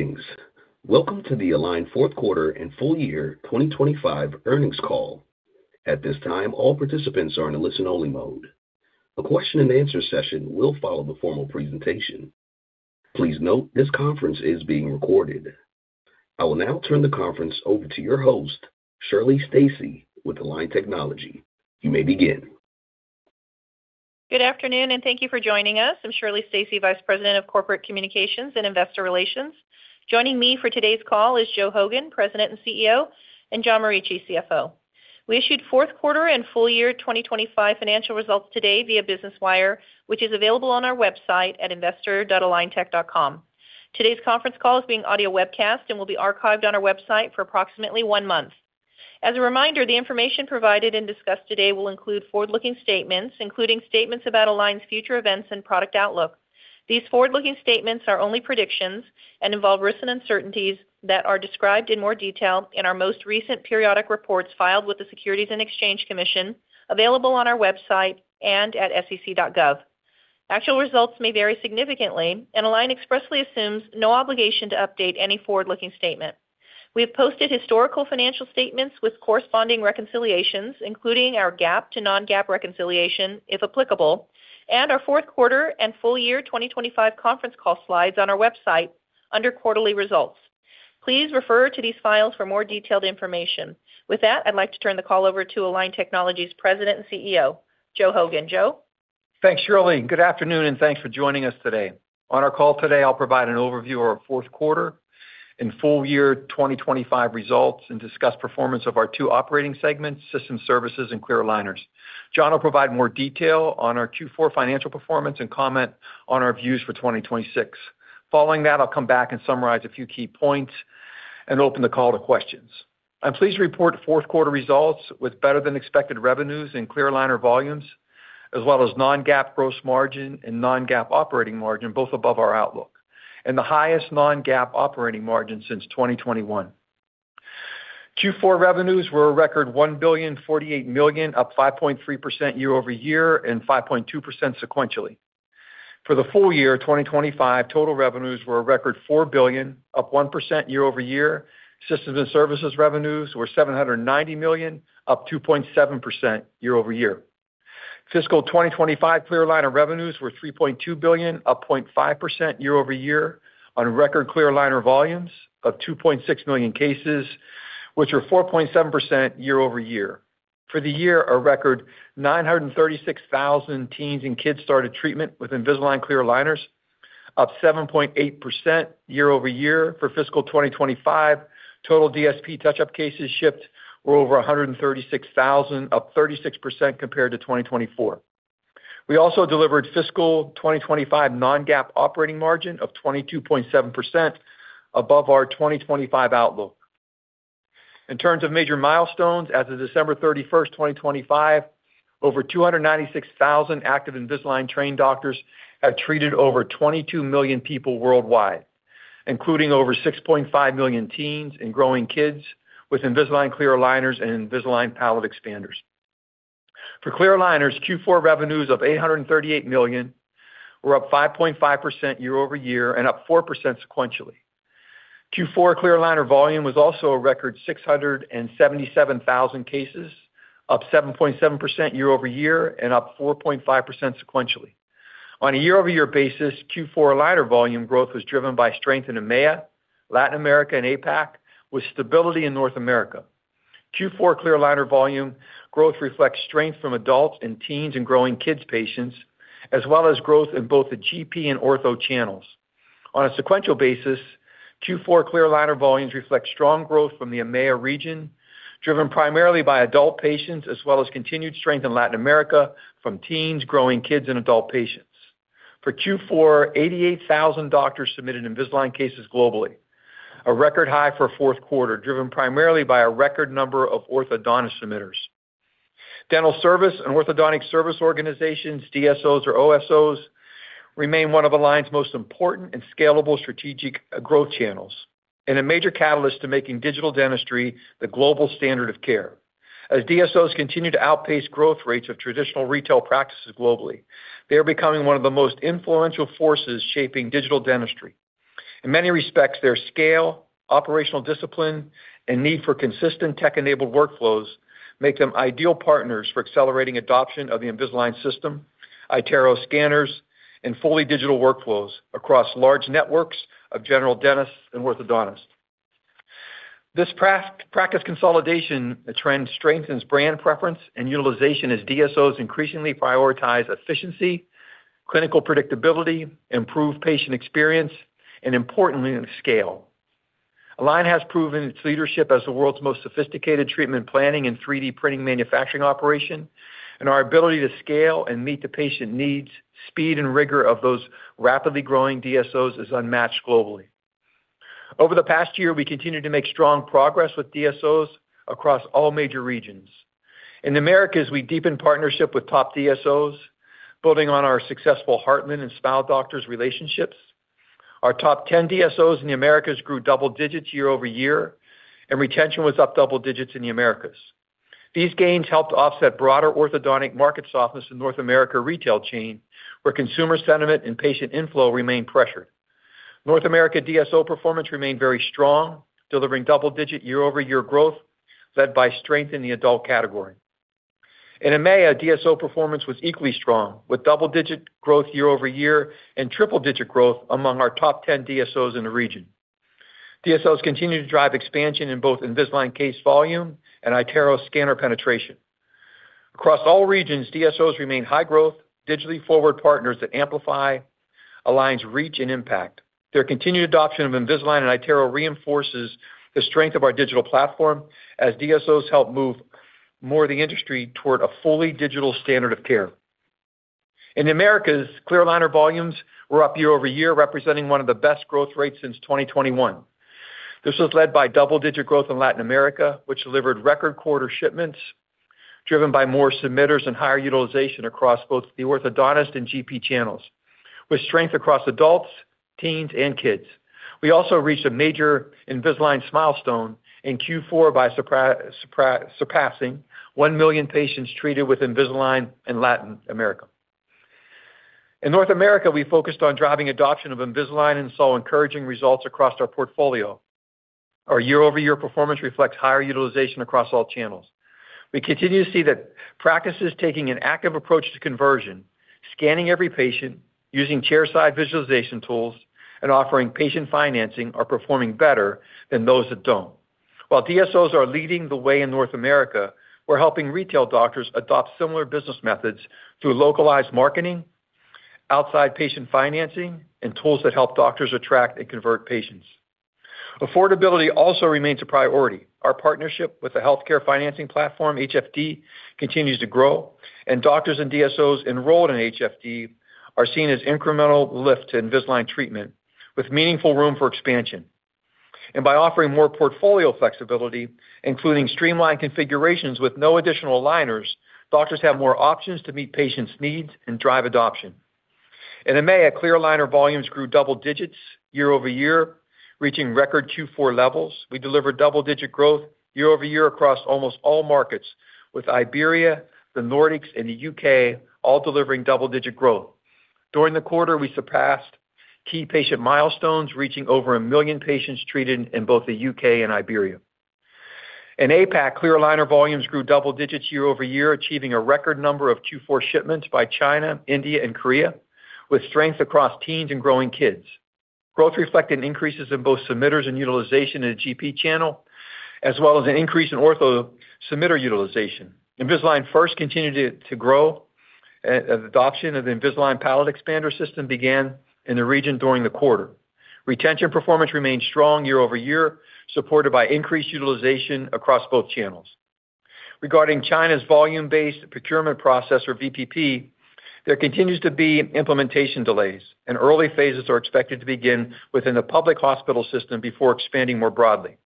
Greetings. Welcome to the Align Q4 and Full Year 2025 earnings call. At this time, all participants are in a listen-only mode. A question-and-answer session will follow the formal presentation. Please note this conference is being recorded. I will now turn the conference over to your host, Shirley Stacy, with Align Technology. You may begin. Good afternoon, and thank you for joining us. I'm Shirley Stacy, Vice President of Corporate Communications and Investor Relations. Joining me for today's call is Joe Hogan, President and CEO, and John Morici, CFO. We issued Q4 and Full Year 2025 financial results today via Business Wire, which is available on our website at investor.aligntech.com. Today's conference call is being audio webcast and will be archived on our website for approximately one month. As a reminder, the information provided and discussed today will include forward-looking statements, including statements about Align's future events and product outlook. These forward-looking statements are only predictions and involve risks and uncertainties that are described in more detail in our most recent periodic reports filed with the Securities and Exchange Commission, available on our website and at sec.gov. Actual results may vary significantly, and Align expressly assumes no obligation to update any forward-looking statement. We have posted historical financial statements with corresponding reconciliations, including our GAAP to non-GAAP reconciliation, if applicable, and our Q4 and Full Year 2025 conference call slides on our website under Quarterly Results. Please refer to these files for more detailed information. With that, I'd like to turn the call over to Align Technology's President and CEO, Joe Hogan. Joe? Thanks, Shirley. Good afternoon, and thanks for joining us today. On our call today, I'll provide an overview of our Q4 and Full Year 2025 results and discuss performance of our two operating segments, system services and clear aligners. John will provide more detail on our Q4 financial performance and comment on our views for 2026. Following that, I'll come back and summarize a few key points and open the call to questions. I'm pleased to report Q4 results with better-than-expected revenues and clear aligner volumes, as well as non-GAAP gross margin and non-GAAP operating margin, both above our outlook, and the highest non-GAAP operating margin since 2021. Q4 revenues were a record $1.048 billion, up 5.3% year-over-year and 5.2% sequentially. For the full year 2025, total revenues were a record $4 billion, up 1% year-over-year. Systems and services revenues were $790 million, up 2.7% year-over-year. Fiscal 2025 clear aligner revenues were $3.2 billion, up 0.5% year-over-year on record clear aligner volumes of 2.6 million cases, which are 4.7% year-over-year. For the year, a record 936,000 teens and kids started treatment with Invisalign clear aligners, up 7.8% year-over-year. For fiscal 2025, total DSP touch-up cases shipped were over 136,000, up 36% compared to 2024. We also delivered fiscal 2025 non-GAAP operating margin of 22.7% above our 2025 outlook. In terms of major milestones, as of December 31st, 2025, over 296,000 active Invisalign-trained doctors have treated over 22 million people worldwide, including over 6.5 million teens and growing kids with Invisalign clear aligners and Invisalign palate expanders. For clear aligners, Q4 revenues of $838 million were up 5.5% year-over-year and up 4% sequentially. Q4 clear aligner volume was also a record 677,000 cases, up 7.7% year-over-year and up 4.5% sequentially. On a year-over-year basis, Q4 aligner volume growth was driven by strength in EMEA, Latin America, and APAC, with stability in North America. Q4 clear aligner volume growth reflects strength from adults and teens and growing kids patients, as well as growth in both the GP and ortho channels. On a sequential basis, Q4 clear aligner volumes reflect strong growth from the EMEA region, driven primarily by adult patients, as well as continued strength in Latin America from teens, growing kids, and adult patients. For Q4, 88,000 doctors submitted Invisalign cases globally, a record high for a Q4, driven primarily by a record number of orthodontist submitters. Dental service and orthodontic service organizations, DSOs or OSOs, remain one of Align's most important and scalable strategic growth channels and a major catalyst to making digital dentistry the global standard of care. As DSOs continue to outpace growth rates of traditional retail practices globally, they are becoming one of the most influential forces shaping digital dentistry. In many respects, their scale, operational discipline, and need for consistent tech-enabled workflows make them ideal partners for accelerating adoption of the Invisalign system, iTero scanners, and fully digital workflows across large networks of general dentists and orthodontists. This practice consolidation trend strengthens brand preference and utilization as DSOs increasingly prioritize efficiency, clinical predictability, improved patient experience, and importantly, scale. Align has proven its leadership as the world's most sophisticated treatment planning and 3D printing manufacturing operation, and our ability to scale and meet the patient needs, speed, and rigor of those rapidly growing DSOs is unmatched globally. Over the past year, we continued to make strong progress with DSOs across all major regions. In the Americas, we deepened partnership with top DSOs, building on our successful Heartland Dental and Smile Doctors relationships. Our top 10 DSOs in the Americas grew double digits year over year, and retention was up double digits in the Americas. These gains helped offset broader orthodontic market softness in North America retail chain, where consumer sentiment and patient inflow remain pressured. North America DSO performance remained very strong, delivering double-digit year-over-year growth led by strength in the adult category. In EMEA, DSO performance was equally strong, with double-digit growth year-over-year and triple-digit growth among our top 10 DSOs in the region. DSOs continue to drive expansion in both Invisalign case volume and iTero scanner penetration. Across all regions, DSOs remain high-growth, digitally forward partners that amplify Align's reach and impact. Their continued adoption of Invisalign and iTero reinforces the strength of our digital platform as DSOs help move more of the industry toward a fully digital standard of care. In the Americas, clear aligner volumes were up year-over-year, representing one of the best growth rates since 2021. This was led by double-digit growth in Latin America, which delivered record quarterly shipments, driven by more submitters and higher utilization across both the orthodontist and GP channels, with strength across adults, teens, and kids. We also reached a major Invisalign milestone in Q4 by surpassing 1 million patients treated with Invisalign in Latin America. In North America, we focused on driving adoption of Invisalign and saw encouraging results across our portfolio. Our year-over-year performance reflects higher utilization across all channels. We continue to see that practices taking an active approach to conversion, scanning every patient, using chairside visualization tools, and offering patient financing are performing better than those that don't. While DSOs are leading the way in North America, we're helping retail doctors adopt similar business methods through localized marketing, outside patient financing, and tools that help doctors attract and convert patients. Affordability also remains a priority. Our partnership with the healthcare financing platform, HFD, continues to grow, and doctors and DSOs enrolled in HFD are seen as incremental lift to Invisalign treatment, with meaningful room for expansion. By offering more portfolio flexibility, including streamlined configurations with no additional aligners, doctors have more options to meet patients' needs and drive adoption. In EMEA, clear aligner volumes grew double digits year over year, reaching record Q4 levels. We delivered double-digit growth year over year across almost all markets, with Iberia, the Nordics, and the UK all delivering double-digit growth. During the quarter, we surpassed key patient milestones, reaching over 1 million patients treated in both the UK and Iberia. In APAC, clear aligner volumes grew double digits year over year, achieving a record number of Q4 shipments by China, India, and Korea, with strength across teens and growing kids. Growth reflected increases in both submitters and utilization in the GP channel, as well as an increase in ortho submitter utilization. Invisalign First continued to grow. Adoption of the Invisalign Palate Expander system began in the region during the quarter. Retention performance remained strong year-over-year, supported by increased utilization across both channels. Regarding China's volume-based procurement process, or VBP, there continues to be implementation delays, and early phases are expected to begin within the public hospital system before expanding more broadly.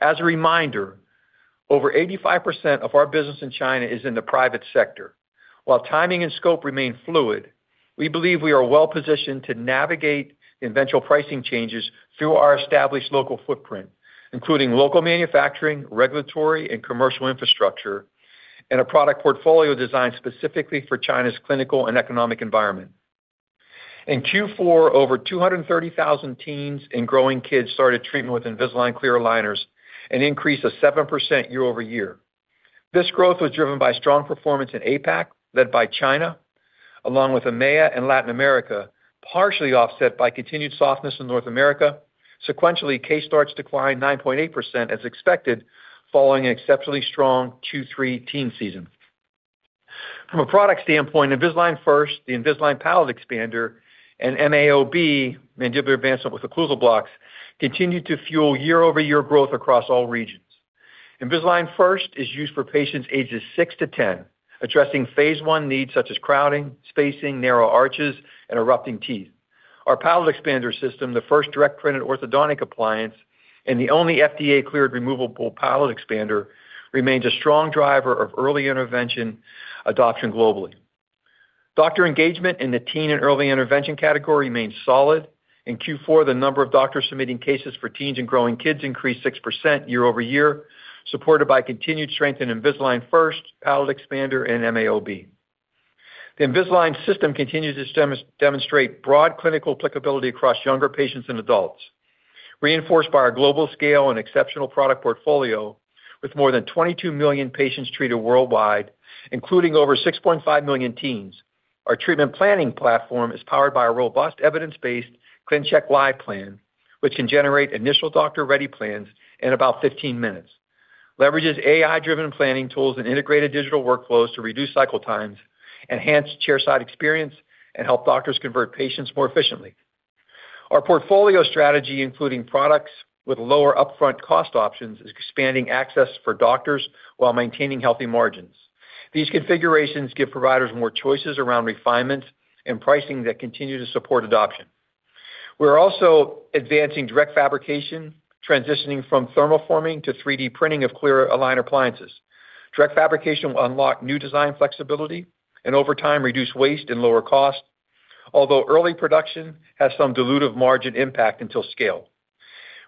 As a reminder, over 85% of our business in China is in the private sector. While timing and scope remain fluid, we believe we are well-positioned to navigate the eventual pricing changes through our established local footprint, including local manufacturing, regulatory, and commercial infrastructure, and a product portfolio designed specifically for China's clinical and economic environment. In Q4, over 230,000 teens and growing kids started treatment with Invisalign clear aligners, an increase of 7% year-over-year. This growth was driven by strong performance in APAC led by China, along with EMEA and Latin America, partially offset by continued softness in North America, sequentially case starts declining 9.8% as expected following an exceptionally strong Q3 teen season. From a product standpoint, Invisalign First, the Invisalign Palate Expander, and MAOB, mandibular advancement with occlusal blocks, continue to fuel year-over-year growth across all regions. Invisalign First is used for patients ages 6 to 10, addressing phase one needs such as crowding, spacing, narrow arches, and erupting teeth. Our palate expander system, the first direct-printed orthodontic appliance and the only FDA-cleared removable palate expander, remains a strong driver of early intervention adoption globally. Doctor engagement in the teen and early intervention category remains solid. In Q4, the number of doctors submitting cases for teens and growing kids increased 6% year-over-year, supported by continued strength in Invisalign First, palate expander, and MAOB. The Invisalign system continues to demonstrate broad clinical applicability across younger patients and adults. Reinforced by our global scale and exceptional product portfolio, with more than 22 million patients treated worldwide, including over 6.5 million teens, our treatment planning platform is powered by a robust evidence-based ClinCheck Live plan, which can generate initial doctor-ready plans in about 15 minutes. Leverages AI-driven planning tools and integrated digital workflows to reduce cycle times, enhance chairside experience, and help doctors convert patients more efficiently. Our portfolio strategy, including products with lower upfront cost options, is expanding access for doctors while maintaining healthy margins. These configurations give providers more choices around refinements and pricing that continue to support adoption. We are also advancing direct fabrication, transitioning from thermoforming to 3D printing of clear aligner appliances. Direct fabrication will unlock new design flexibility and, over time, reduce waste and lower cost, although early production has some dilutive margin impact until scale.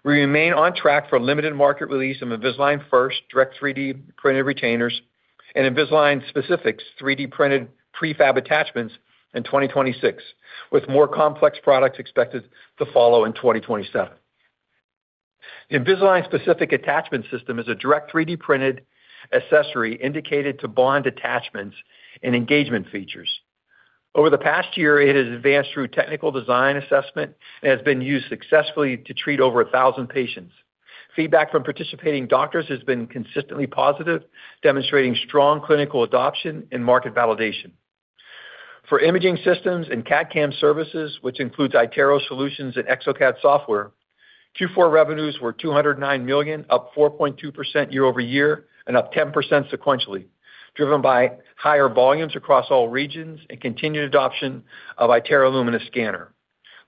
We remain on track for limited market release of Invisalign First direct 3D printed retainers and Invisalign-specific 3D printed prefab attachments in 2026, with more complex products expected to follow in 2027. The Invisalign-specific attachment system is a direct 3D printed accessory indicated to bond attachments and engagement features. Over the past year, it has advanced through technical design assessment and has been used successfully to treat over 1,000 patients. Feedback from participating doctors has been consistently positive, demonstrating strong clinical adoption and market validation. For imaging systems and CAD/CAM services, which includes iTero solutions and exocad software, Q4 revenues were $209 million, up 4.2% year-over-year and up 10% sequentially, driven by higher volumes across all regions and continued adoption of iTero Lumina scanner.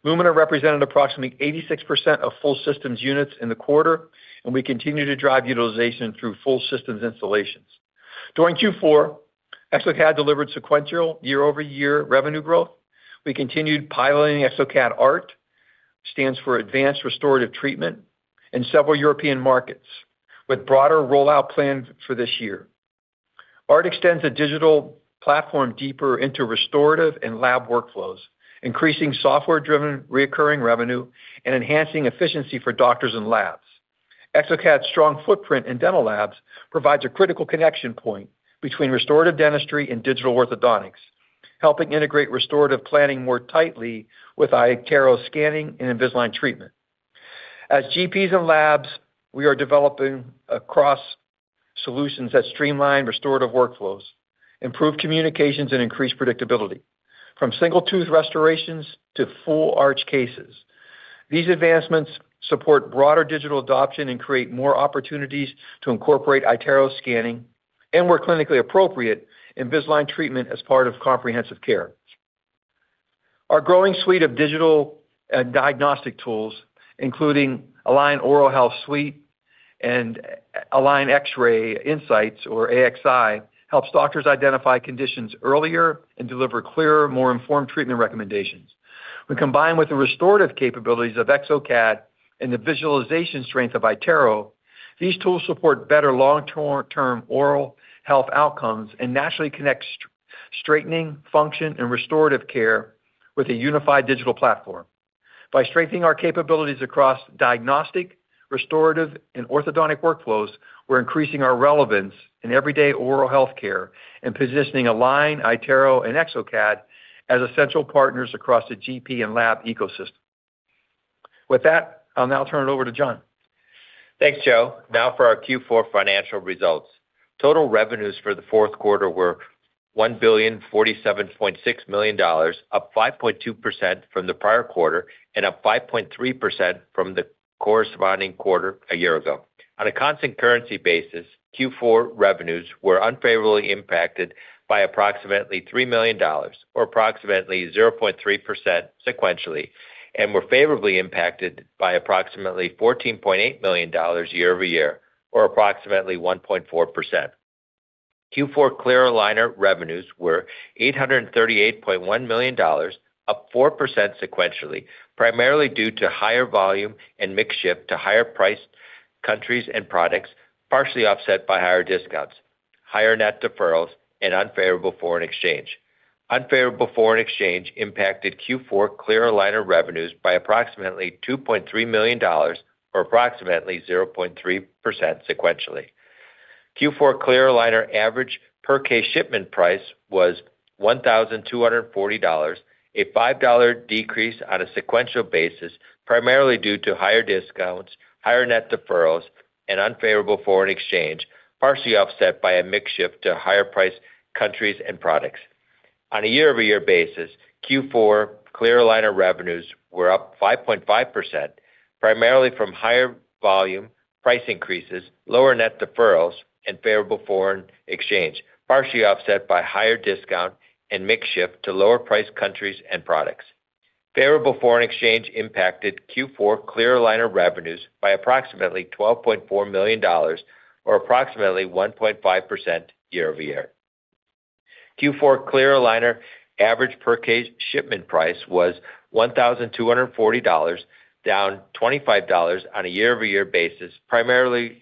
Lumina represented approximately 86% of full systems units in the quarter, and we continue to drive utilization through full systems installations. During Q4, exocad delivered sequential year-over-year revenue growth. We continued piloting exocad ART, which stands for Advanced Restorative Treatment, in several European markets, with broader rollout plans for this year. ART extends the digital platform deeper into restorative and lab workflows, increasing software-driven recurring revenue and enhancing efficiency for doctors and labs. exocad's strong footprint in dental labs provides a critical connection point between restorative dentistry and digital orthodontics, helping integrate restorative planning more tightly with iTero scanning and Invisalign treatment. As GPs and labs, we are developing across solutions that streamline restorative workflows, improve communications, and increase predictability, from single tooth restorations to full arch cases. These advancements support broader digital adoption and create more opportunities to incorporate iTero scanning and, where clinically appropriate, Invisalign treatment as part of comprehensive care. Our growing suite of digital and diagnostic tools, including Align Oral Health Suite and Align X-ray Insights, or AXI, helps doctors identify conditions earlier and deliver clearer, more informed treatment recommendations. When combined with the restorative capabilities of exocad and the visualization strength of iTero, these tools support better long-term oral health outcomes and naturally connect straightening, function, and restorative care with a unified digital platform. By strengthening our capabilities across diagnostic, restorative, and orthodontic workflows, we're increasing our relevance in everyday oral healthcare and positioning Align, iTero, and exocad as essential partners across the GP and lab ecosystem. With that, I'll now turn it over to John. Thanks, Joe. Now for our Q4 financial results. Total revenues for the Q4 were $1,047.6 million, up 5.2% from the prior quarter and up 5.3% from the corresponding quarter a year ago. On a constant currency basis, Q4 revenues were unfavorably impacted by approximately $3 million, or approximately 0.3% sequentially, and were favorably impacted by approximately $14.8 million year-over-year, or approximately 1.4%. Q4 clear aligner revenues were $838.1 million, up 4% sequentially, primarily due to higher volume and mix shift to higher-priced countries and products, partially offset by higher discounts, higher net deferrals, and unfavorable foreign exchange. Unfavorable foreign exchange impacted Q4 clear aligner revenues by approximately $2.3 million, or approximately 0.3% sequentially. Q4 clear aligner average per-case shipment price was $1,240, a $5 decrease on a sequential basis, primarily due to higher discounts, higher net deferrals, and unfavorable foreign exchange, partially offset by a mix ship to higher-priced countries and products. On a year-over-year basis, Q4 clear aligner revenues were up 5.5%, primarily from higher volume, price increases, lower net deferrals, and favorable foreign exchange, partially offset by higher discount and mix ship to lower-priced countries and products. Favorable foreign exchange impacted Q4 clear aligner revenues by approximately $12.4 million, or approximately 1.5% year over year. Q4 clear aligner average per-case shipment price was $1,240, down $25 on a year-over-year basis, primarily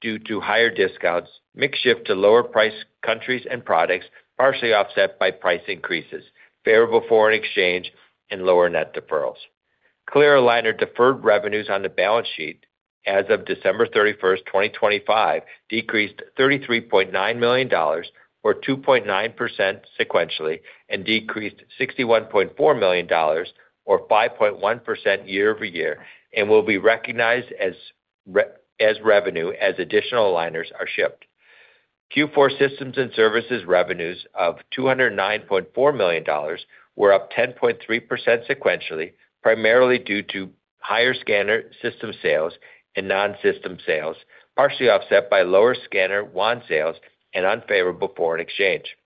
due to higher discounts, mix ship to lower-priced countries and products, partially offset by price increases, favorable foreign exchange, and lower net deferrals. Clear aligner deferred revenues on the balance sheet as of December 31st, 2025, decreased $33.9 million, or 2.9% sequentially, and decreased $61.4 million, or 5.1% year-over-year, and will be recognized as revenue as additional aligners are shipped. Q4 systems and services revenues of $209.4 million were up 10.3% sequentially, primarily due to higher scanner system sales and non-system sales, partially offset by lower scanner wand sales and unfavorable foreign exchange.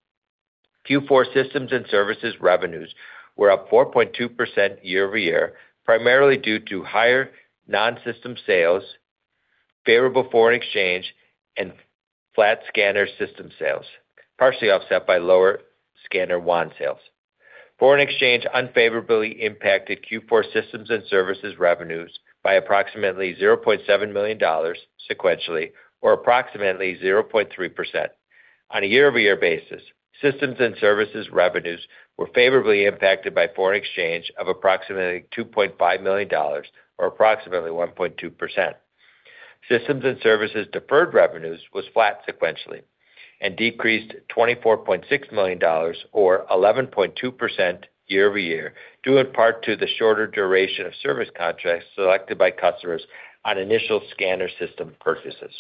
Q4 systems and services revenues were up 4.2% year-over-year, primarily due to higher non-system sales, favorable foreign exchange, and flat scanner system sales, partially offset by lower scanner wand sales. Foreign exchange unfavorably impacted Q4 systems and services revenues by approximately $0.7 million sequentially, or approximately 0.3%. On a year-over-year basis, systems and services revenues were favorably impacted by foreign exchange of approximately $2.5 million, or approximately 1.2%. Systems and services deferred revenues were flat sequentially and decreased $24.6 million, or 11.2% year-over-year, due in part to the shorter duration of service contracts selected by customers on initial scanner system purchases.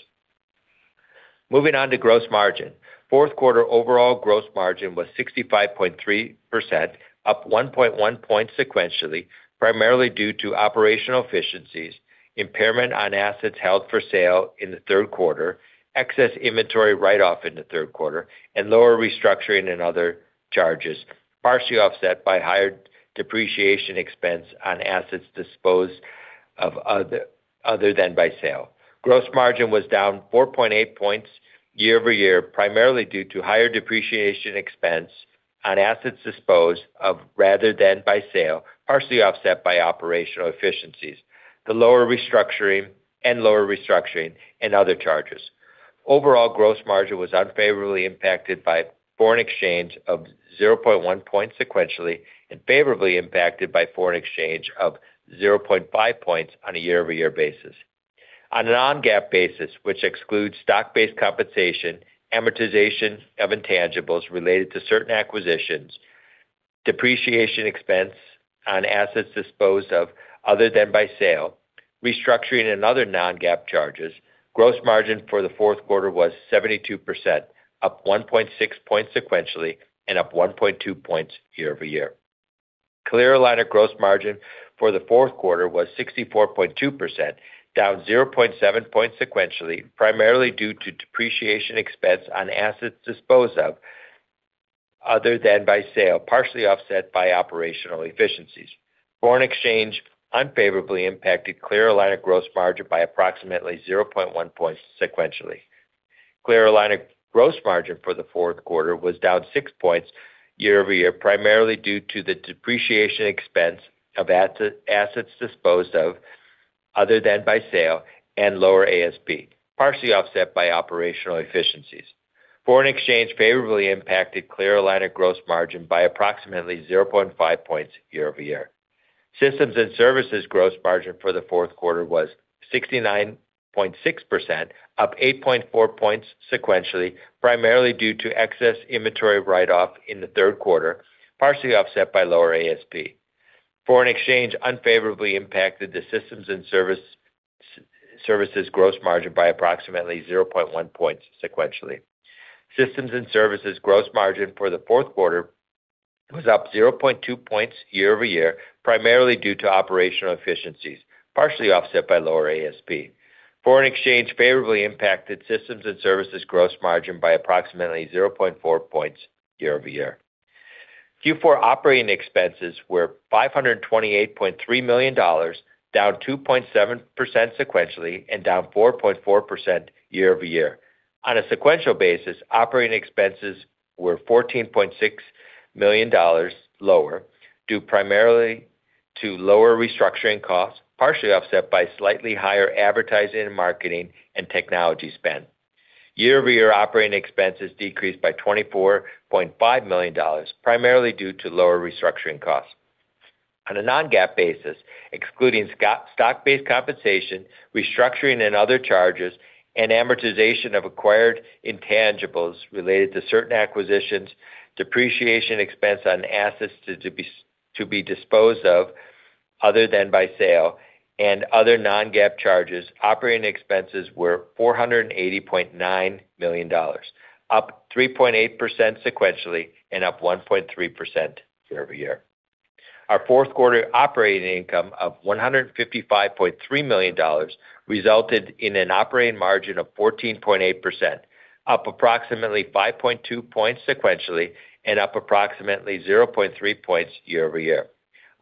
Moving on to gross margin. Q4 overall gross margin was 65.3%, up 1.1 points sequentially, primarily due to operational efficiencies, impairment on assets held for sale in the Q3, excess inventory write-off in the Q3, and lower restructuring and other charges, partially offset by higher depreciation expense on assets disposed of other than by sale. Gross margin was down 4.8 points year-over-year, primarily due to higher depreciation expense on assets disposed of rather than by sale, partially offset by operational efficiencies, the lower restructuring and lower restructuring and other charges. Overall gross margin was unfavorably impacted by foreign exchange of 0.1 points sequentially and favorably impacted by foreign exchange of 0.5 points on a year-over-year basis. On a non-GAAP basis, which excludes stock-based compensation, amortization of intangibles related to certain acquisitions, depreciation expense on assets disposed of other than by sale, restructuring, and other non-GAAP charges, gross margin for the Q4 was 72%, up 1.6 points sequentially and up 1.2 points year-over-year. Clear aligner gross margin for the Q4 was 64.2%, down 0.7 points sequentially, primarily due to depreciation expense on assets disposed of other than by sale, partially offset by operational efficiencies. Foreign exchange unfavorably impacted clear aligner gross margin by approximately 0.1 points sequentially. Clear aligner gross margin for the Q4 was down 6 points year-over-year, primarily due to the depreciation expense of assets disposed of other than by sale and lower ASP, partially offset by operational efficiencies. Foreign exchange favorably impacted clear aligner gross margin by approximately 0.5 points year-over-year. Systems and services gross margin for the Q4 was 69.6%, up 8.4 points sequentially, primarily due to excess inventory write-off in the Q3, partially offset by lower ASP. Foreign exchange unfavorably impacted the systems and services gross margin by approximately 0.1 points sequentially. Systems and services gross margin for the Q4 was up 0.2 points year-over-year, primarily due to operational efficiencies, partially offset by lower ASP. Foreign exchange favorably impacted systems and services gross margin by approximately 0.4 points year-over-year. Q4 operating expenses were $528.3 million, down 2.7% sequentially and down 4.4% year-over-year. On a sequential basis, operating expenses were $14.6 million lower due primarily to lower restructuring costs, partially offset by slightly higher advertising and marketing and technology spend. Year-over-year operating expenses decreased by $24.5 million, primarily due to lower restructuring costs. On a non-GAAP basis, excluding stock-based compensation, restructuring, and other charges, and amortization of acquired intangibles related to certain acquisitions, depreciation expense on assets to be disposed of other than by sale, and other non-GAAP charges, operating expenses were $480.9 million, up 3.8% sequentially and up 1.3% year-over-year. Our Q4 operating income of $155.3 million resulted in an operating margin of 14.8%, up approximately 5.2 points sequentially and up approximately 0.3 points year-over-year.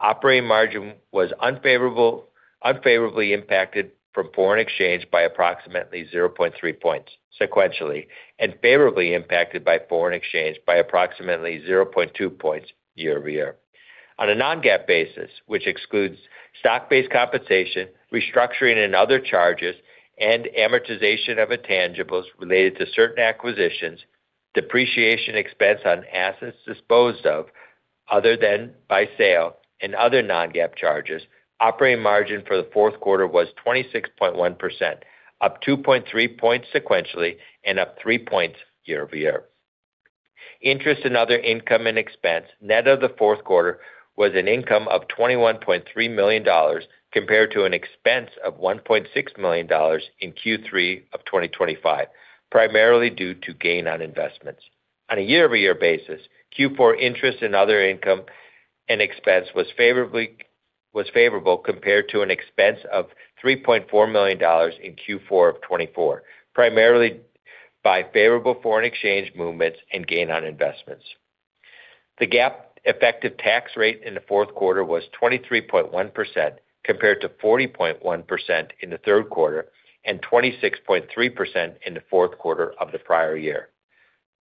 Operating margin was unfavorably impacted from foreign exchange by approximately 0.3 points sequentially and favorably impacted by foreign exchange by approximately 0.2 points year-over-year. On a Non-GAAP basis, which excludes stock-based compensation, restructuring, and other charges, and amortization of intangibles related to certain acquisitions, depreciation expense on assets disposed of other than by sale, and other Non-GAAP charges, operating margin for the Q4 was 26.1%, up 2.3 points sequentially and up 3 points year-over-year. Interest and other income and expense net of the Q4 was an income of $21.3 million compared to an expense of $1.6 million in Q3 of 2025, primarily due to gain on investments. On a year-over-year basis, Q4 interest and other income and expense was favorable compared to an expense of $3.4 million in Q4 of 2024, primarily by favorable foreign exchange movements and gain on investments. The GAAP effective tax rate in the Q4 was 23.1% compared to 40.1% in the Q3 and 26.3% in the Q4 of the prior year.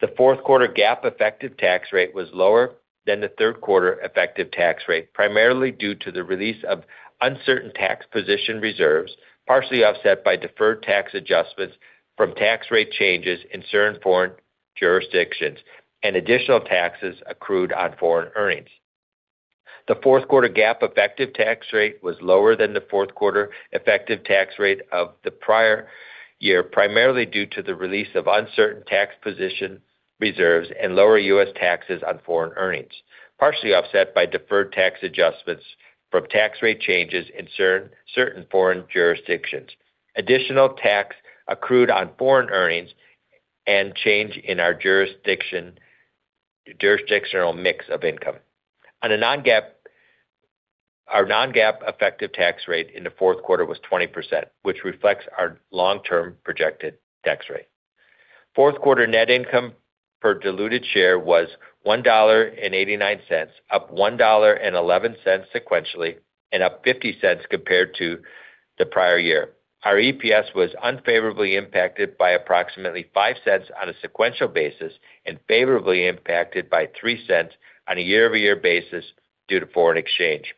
The Q4 GAAP effective tax rate was lower than the Q3 effective tax rate, primarily due to the release of uncertain tax position reserves, partially offset by deferred tax adjustments from tax rate changes in certain foreign jurisdictions and additional taxes accrued on foreign earnings. The Q4 GAAP effective tax rate was lower than the Q4 effective tax rate of the prior year, primarily due to the release of uncertain tax position reserves and lower U.S. taxes on foreign earnings, partially offset by deferred tax adjustments from tax rate changes in certain foreign jurisdictions. Additional tax accrued on foreign earnings and change in our jurisdictional mix of income. On a non-GAAP basis, our non-GAAP effective tax rate in the Q4 was 20%, which reflects our long-term projected tax rate. Q4 net income per diluted share was $1.89, up $1.11 sequentially and up $0.50 compared to the prior year. Our EPS was unfavorably impacted by approximately $0.05 on a sequential basis and favorably impacted by $0.03 on a year-over-year basis due to foreign exchange.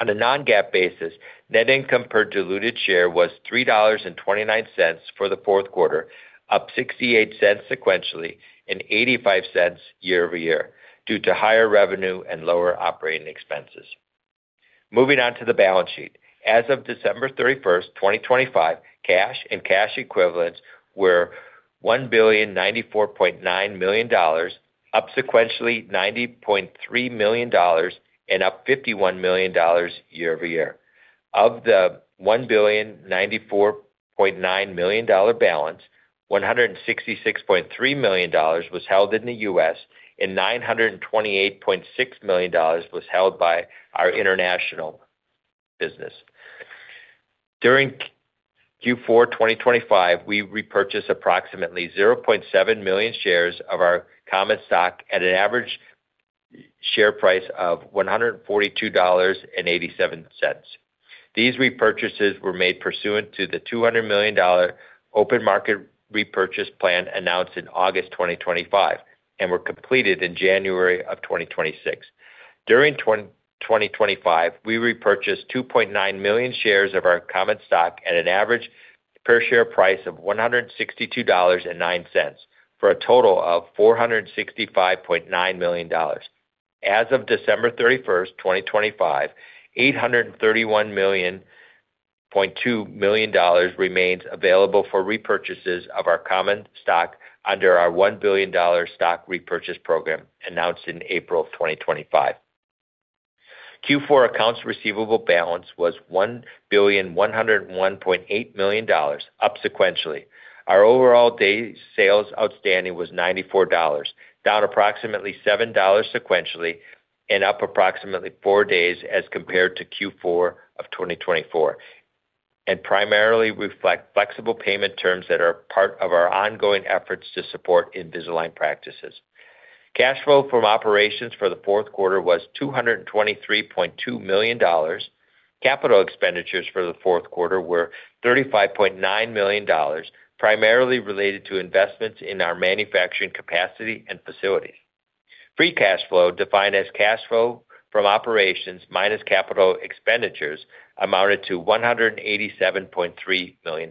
On a non-GAAP basis, net income per diluted share was $3.29 for the Q4, up $0.68 sequentially and $0.85 year-over-year due to higher revenue and lower operating expenses. Moving on to the balance sheet. As of December 31st, 2025, cash and cash equivalents were $1.0949 billion, up sequentially $90.3 million and up $51 million year-over-year. Of the $1.0949 billion balance, $166.3 million was held in the U.S. $928.6 million was held by our international business. During Q4 2025, we repurchased approximately 0.7 million shares of our common stock at an average share price of $142.87. These repurchases were made pursuant to the $200 million open market repurchase plan announced in August 2025 and were completed in January of 2026. During 2025, we repurchased 2.9 million shares of our common stock at an average per share price of $162.09 for a total of $465.9 million. As of December 31st, 2025, $831.2 million remains available for repurchases of our common stock under our $1 billion stock repurchase program announced in April of 2025. Q4 accounts receivable balance was $1,101.8 million up sequentially. Our overall days sales outstanding was $94, down approximately $7 sequentially and up approximately four days as compared to Q4 of 2024, and primarily reflect flexible payment terms that are part of our ongoing efforts to support Invisalign practices. Cash flow from operations for the Q4 was $223.2 million. Capital expenditures for the Q4 were $35.9 million, primarily related to investments in our manufacturing capacity and facilities. Free cash flow, defined as cash flow from operations minus capital expenditures, amounted to $187.3 million.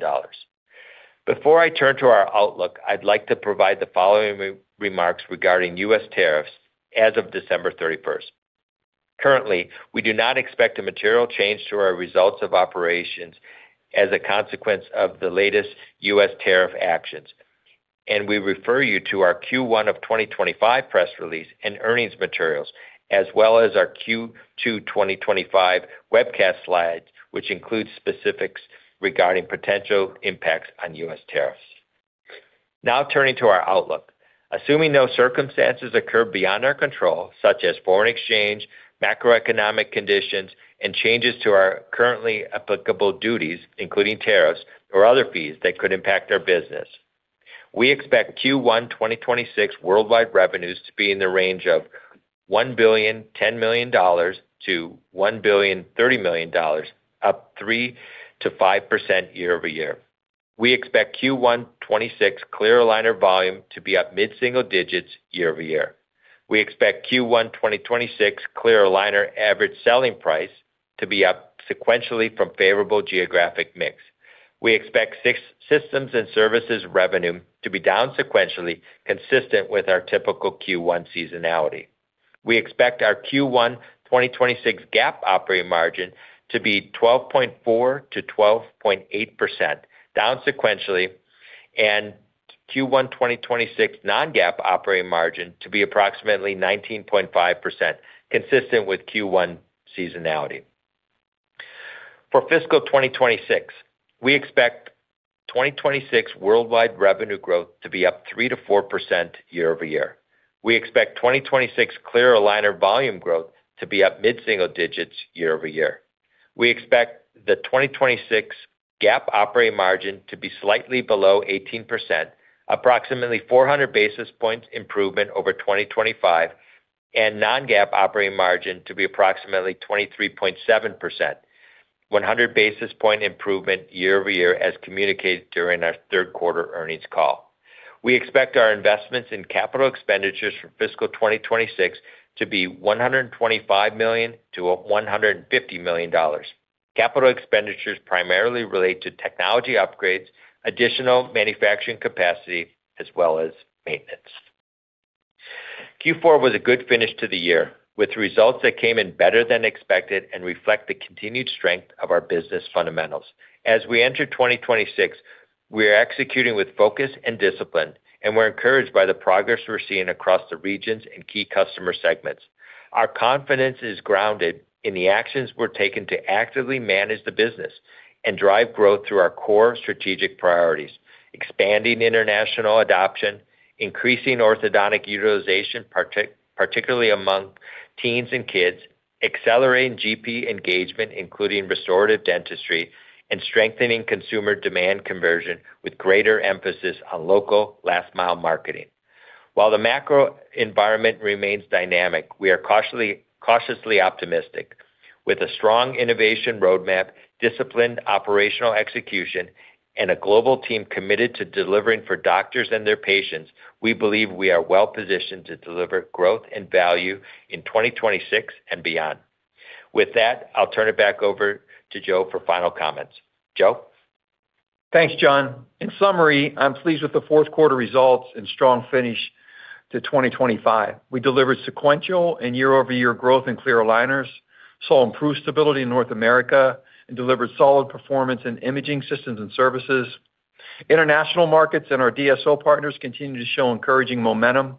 Before I turn to our outlook, I'd like to provide the following remarks regarding U.S. tariffs as of December 31st. Currently, we do not expect a material change to our results of operations as a consequence of the latest U.S. tariff actions, and we refer you to our Q1 of 2025 press release and earnings materials as well as our Q2 2025 webcast slides, which include specifics regarding potential impacts on U.S. tariffs. Now turning to our outlook. Assuming no circumstances occur beyond our control, such as foreign exchange, macroeconomic conditions, and changes to our currently applicable duties, including tariffs or other fees that could impact our business, we expect Q1 2026 worldwide revenues to be in the range of $1.01 billion-$1.03 billion, up 3%-5% year-over-year. We expect Q1 2026 clear aligner volume to be up mid-single digits year-over-year. We expect Q1 2026 clear aligner average selling price to be up sequentially from favorable geographic mix. We expect systems and services revenue to be down sequentially consistent with our typical Q1 seasonality. We expect our Q1 2026 GAAP operating margin to be 12.4%-12.8% down sequentially, and Q1 2026 non-GAAP operating margin to be approximately 19.5% consistent with Q1 seasonality. For fiscal 2026, we expect 2026 worldwide revenue growth to be up 3%-4% year-over-year. We expect 2026 clear aligner volume growth to be up mid-single digits year-over-year. We expect the 2026 GAAP operating margin to be slightly below 18%, approximately 400 basis points improvement over 2025, and non-GAAP operating margin to be approximately 23.7%, 100 basis point improvement year-over-year as communicated during our Q3 earnings call. We expect our investments in capital expenditures for fiscal 2026 to be $125 million-$150 million. Capital expenditures primarily relate to technology upgrades, additional manufacturing capacity, as well as maintenance. Q4 was a good finish to the year, with results that came in better than expected and reflect the continued strength of our business fundamentals. As we enter 2026, we are executing with focus and discipline, and we're encouraged by the progress we're seeing across the regions and key customer segments. Our confidence is grounded in the actions we're taking to actively manage the business and drive growth through our core strategic priorities: expanding international adoption, increasing orthodontic utilization particularly among teens and kids, accelerating GP engagement including restorative dentistry, and strengthening consumer demand conversion with greater emphasis on local last-mile marketing. While the macro environment remains dynamic, we are cautiously optimistic. With a strong innovation roadmap, disciplined operational execution, and a global team committed to delivering for doctors and their patients, we believe we are well positioned to deliver growth and value in 2026 and beyond. With that, I'll turn it back over to Joe for final comments. Joe? Thanks, John. In summary, I'm pleased with the Q4 results and strong finish to 2025. We delivered sequential and year-over-year growth in clear aligners, saw improved stability in North America, and delivered solid performance in imaging systems and services. International markets and our DSO partners continue to show encouraging momentum,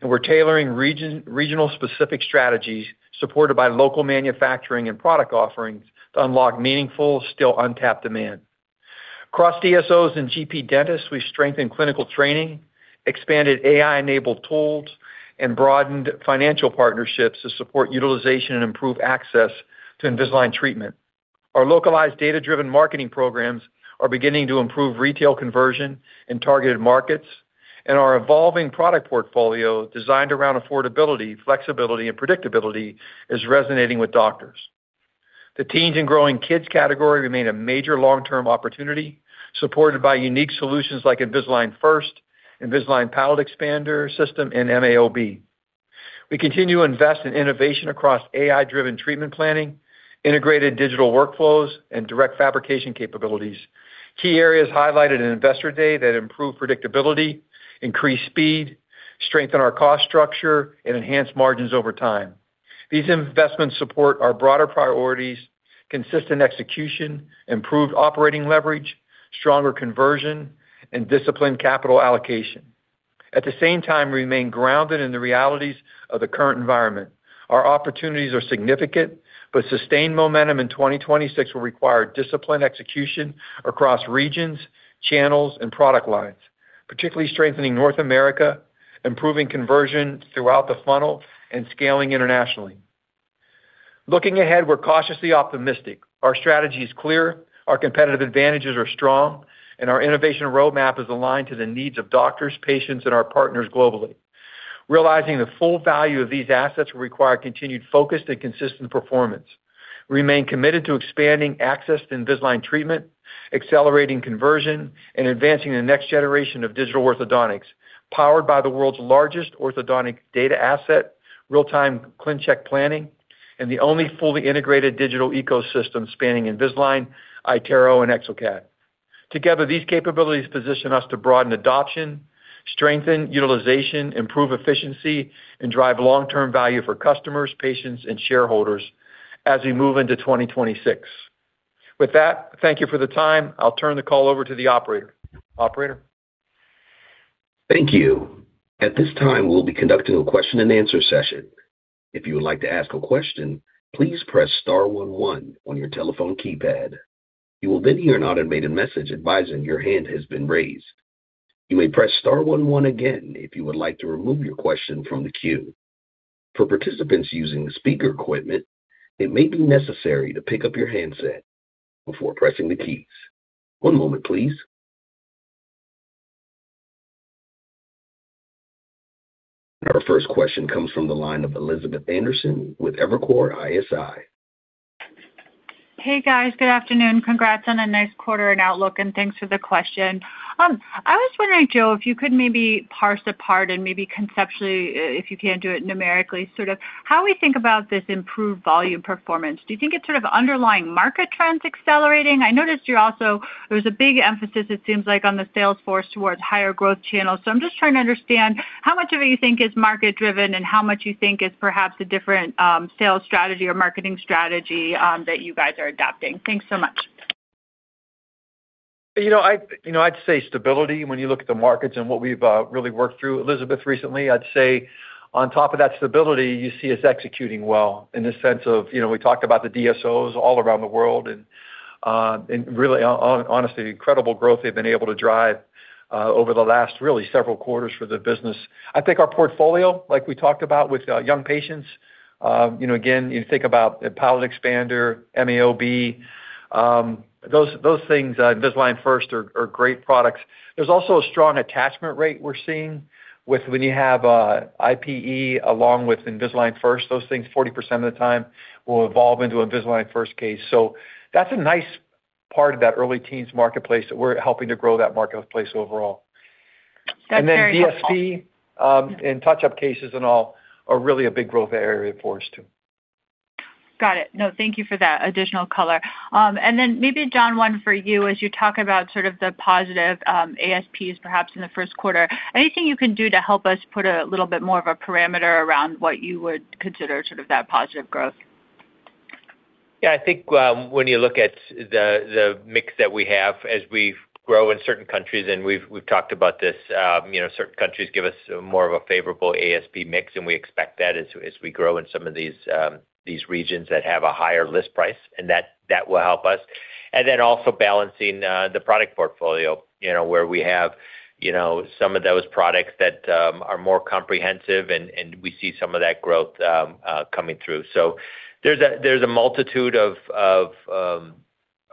and we're tailoring regional-specific strategies supported by local manufacturing and product offerings to unlock meaningful, still untapped demand. Across DSOs and GP dentists, we've strengthened clinical training, expanded AI-enabled tools, and broadened financial partnerships to support utilization and improve access to Invisalign treatment. Our localized data-driven marketing programs are beginning to improve retail conversion in targeted markets, and our evolving product portfolio designed around affordability, flexibility, and predictability is resonating with doctors. The teens and growing kids category remains a major long-term opportunity supported by unique solutions like Invisalign First, Invisalign Palate Expander System, and MAOB. We continue to invest in innovation across AI-driven treatment planning, integrated digital workflows, and direct fabrication capabilities. Key areas highlighted in Investor Day that improve predictability, increase speed, strengthen our cost structure, and enhance margins over time. These investments support our broader priorities: consistent execution, improved operating leverage, stronger conversion, and disciplined capital allocation. At the same time, we remain grounded in the realities of the current environment. Our opportunities are significant, but sustained momentum in 2026 will require disciplined execution across regions, channels, and product lines, particularly strengthening North America, improving conversion throughout the funnel, and scaling internationally. Looking ahead, we're cautiously optimistic. Our strategy is clear, our competitive advantages are strong, and our innovation roadmap is aligned to the needs of doctors, patients, and our partners globally. Realizing the full value of these assets will require continued focus and consistent performance. We remain committed to expanding access to Invisalign treatment, accelerating conversion, and advancing the next generation of digital orthodontics powered by the world's largest orthodontic data asset, real-time ClinCheck planning, and the only fully integrated digital ecosystem spanning Invisalign, iTero, and exocad. Together, these capabilities position us to broaden adoption, strengthen utilization, improve efficiency, and drive long-term value for customers, patients, and shareholders as we move into 2026. With that, thank you for the time. I'll turn the call over to the operator. Operator? Thank you. At this time, we'll be conducting a question-and-answer session. If you would like to ask a question, please press * 11 on your telephone keypad. You will then hear an automated message advising your hand has been raised. You may press * 11 again if you would like to remove your question from the queue. For participants using speaker equipment, it may be necessary to pick up your handset before pressing the keys. One moment, please. Our first question comes from the line of Elizabeth Anderson with Evercore ISI. Hey, guys. Good afternoon. Congrats on a nice quarter and outlook, and thanks for the question. I was wondering, Joe, if you could maybe parse apart and maybe conceptually, if you can do it numerically, sort of how we think about this improved volume performance. Do you think it's sort of underlying market trends accelerating? I noticed there was a big emphasis, it seems like, on the sales force towards higher growth channels. So I'm just trying to understand how much of it you think is market-driven and how much you think is perhaps a different sales strategy or marketing strategy that you guys are adopting. Thanks so much. I'd say stability when you look at the markets and what we've really worked through. Elizabeth, recently, I'd say on top of that stability, you see us executing well in the sense of we talked about the DSOs all around the world and really, honestly, incredible growth they've been able to drive over the last really several quarters for the business. I think our portfolio, like we talked about with young patients, again, you think about Palate Expander, MAOB, those things, Invisalign First are great products. There's also a strong attachment rate we're seeing with when you have IPE along with Invisalign First, those things 40% of the time will evolve into Invisalign First case. So that's a nice part of that early teens marketplace that we're helping to grow that marketplace overall. That's very helpful. DSP and touch-up cases and all are really a big growth area for us too. Got it. No, thank you for that additional color. And then maybe, John, one for you as you talk about sort of the positive ASPs perhaps in the Q1. Anything you can do to help us put a little bit more of a parameter around what you would consider sort of that positive growth? Yeah. I think when you look at the mix that we have as we grow in certain countries and we've talked about this, certain countries give us more of a favorable ASP mix, and we expect that as we grow in some of these regions that have a higher list price, and that will help us. And then also balancing the product portfolio where we have some of those products that are more comprehensive, and we see some of that growth coming through. So there's a multitude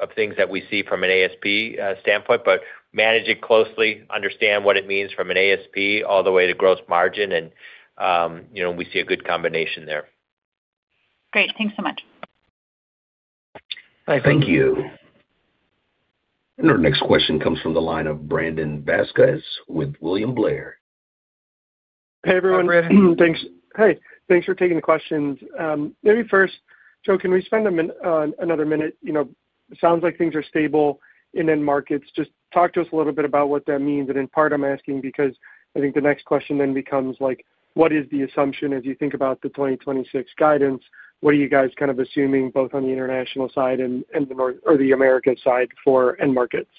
of things that we see from an ASP standpoint, but manage it closely, understand what it means from an ASP all the way to gross margin, and we see a good combination there. Great. Thanks so much. Hi. Thank you. Our next question comes from the line of Brandon Vazquez with William Blair. Hey, everyone. Hi, Brandon. Hey. Thanks for taking the questions. Maybe first, Joe, can we spend another minute? It sounds like things are stable in end markets. Just talk to us a little bit about what that means, and in part, I'm asking because I think the next question then becomes what is the assumption as you think about the 2026 guidance? What are you guys kind of assuming both on the international side or the America side for end markets?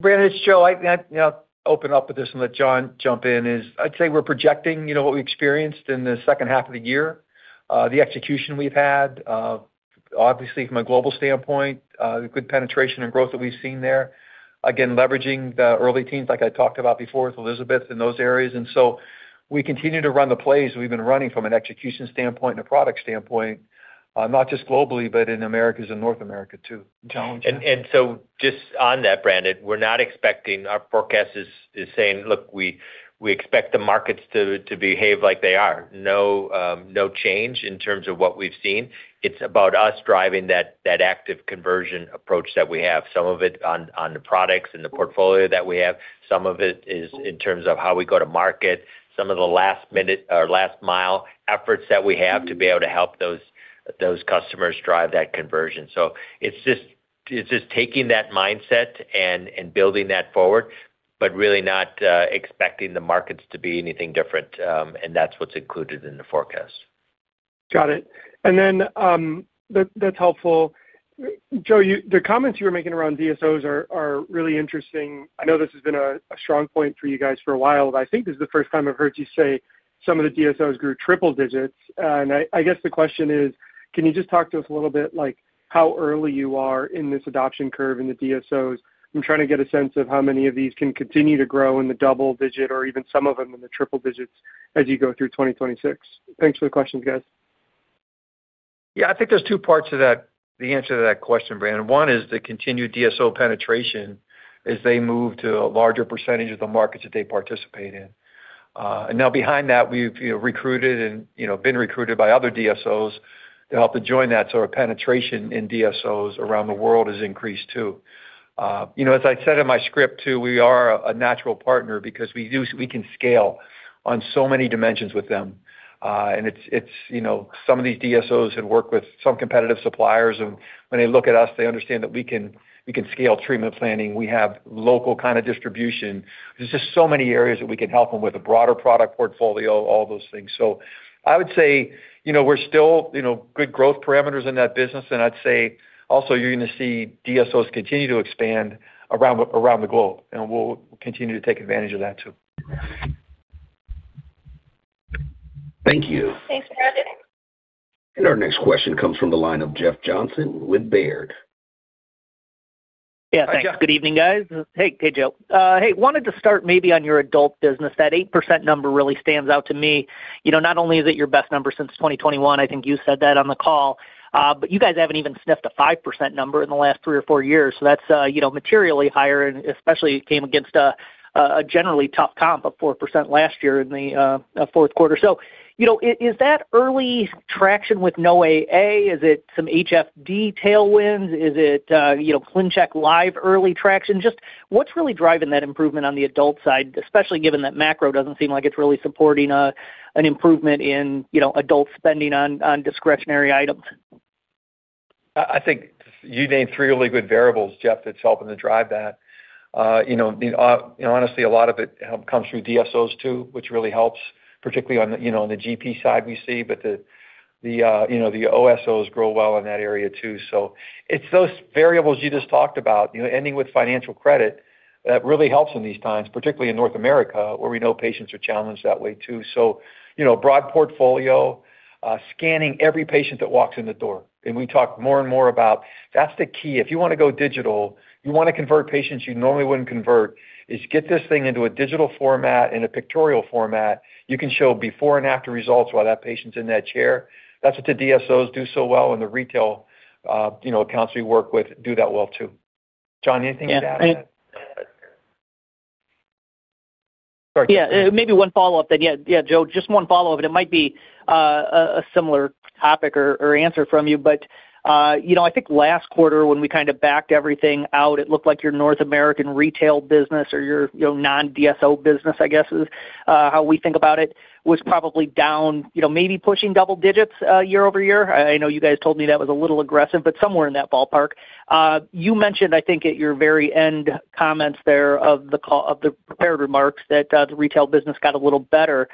Brandon, it's Joe. I think I'll open up with this and let John jump in. I'd say we're projecting what we experienced in the second half of the year, the execution we've had. Obviously, from a global standpoint, the good penetration and growth that we've seen there, again, leveraging the early teens like I talked about before with Elizabeth in those areas. So we continue to run the plays we've been running from an execution standpoint and a product standpoint, not just globally but in Americas and North America too, John, And so just on that, Brandon, we're not expecting our forecast is saying, "Look, we expect the markets to behave like they are." No change in terms of what we've seen. It's about us driving that active conversion approach that we have, some of it on the products and the portfolio that we have, some of it is in terms of how we go to market, some of the last-minute or last-mile efforts that we have to be able to help those customers drive that conversion. So it's just taking that mindset and building that forward but really not expecting the markets to be anything different, and that's what's included in the forecast. Got it. And then that's helpful. Joe, the comments you were making around DSOs are really interesting. I know this has been a strong point for you guys for a while, but I think this is the first time I've heard you say some of the DSOs grew triple digits. And I guess the question is, can you just talk to us a little bit how early you are in this adoption curve in the DSOs? I'm trying to get a sense of how many of these can continue to grow in the double digit or even some of them in the triple digits as you go through 2026. Thanks for the questions, guys. Yeah. I think there's two parts to the answer to that question, Brandon. One is the continued DSO penetration as they move to a larger percentage of the markets that they participate in. And now behind that, we've been recruited by other DSOs to help to join that, so our penetration in DSOs around the world has increased too. As I said in my script too, we are a natural partner because we can scale on so many dimensions with them. And some of these DSOs had worked with some competitive suppliers, and when they look at us, they understand that we can scale treatment planning. We have local kind of distribution. There's just so many areas that we can help them with, a broader product portfolio, all those things. I would say we're still good growth parameters in that business, and I'd say also you're going to see DSOs continue to expand around the globe, and we'll continue to take advantage of that too. Thank you. Thanks, Brandon. Our next question comes from the line of Jeff Johnson with Baird. Yeah. Thanks. Good evening, guys. Hey, Joe. Hey, wanted to start maybe on your adult business. That 8% number really stands out to me. Not only is it your best number since 2021 - I think you said that on the call - but you guys haven't even sniffed a 5% number in the last three or four years. So that's materially higher, and especially it came against a generally tough comp of 4% last year in the Q4. So is that early traction with NoAA? Is it some HFD tailwinds? Is it ClinCheck Live early traction? Just what's really driving that improvement on the adult side, especially given that macro doesn't seem like it's really supporting an improvement in adult spending on discretionary items? I think you named three really good variables, Jeff, that's helping to drive that. Honestly, a lot of it comes through DSOs too, which really helps, particularly on the GP side we see, but the OSOs grow well in that area too. So it's those variables you just talked about, ending with financial credit, that really helps in these times, particularly in North America where we know patients are challenged that way too. So broad portfolio, scanning every patient that walks in the door. And we talk more and more about that's the key. If you want to go digital, you want to convert patients you normally wouldn't convert, is get this thing into a digital format and a pictorial format. You can show before and after results while that patient's in that chair. That's what the DSOs do so well in the retail accounts we work with do that well too. John, anything to add on that? Yeah. Maybe one follow-up then. Yeah, Joe, just one follow-up. It might be a similar topic or answer from you, but I think last quarter when we kind of backed everything out, it looked like your North American retail business or your non-DSO business, I guess, is how we think about it, was probably down, maybe pushing double digits year-over-year. I know you guys told me that was a little aggressive, but somewhere in that ballpark. You mentioned, I think, at your very end comments there of the prepared remarks that the retail business got a little better.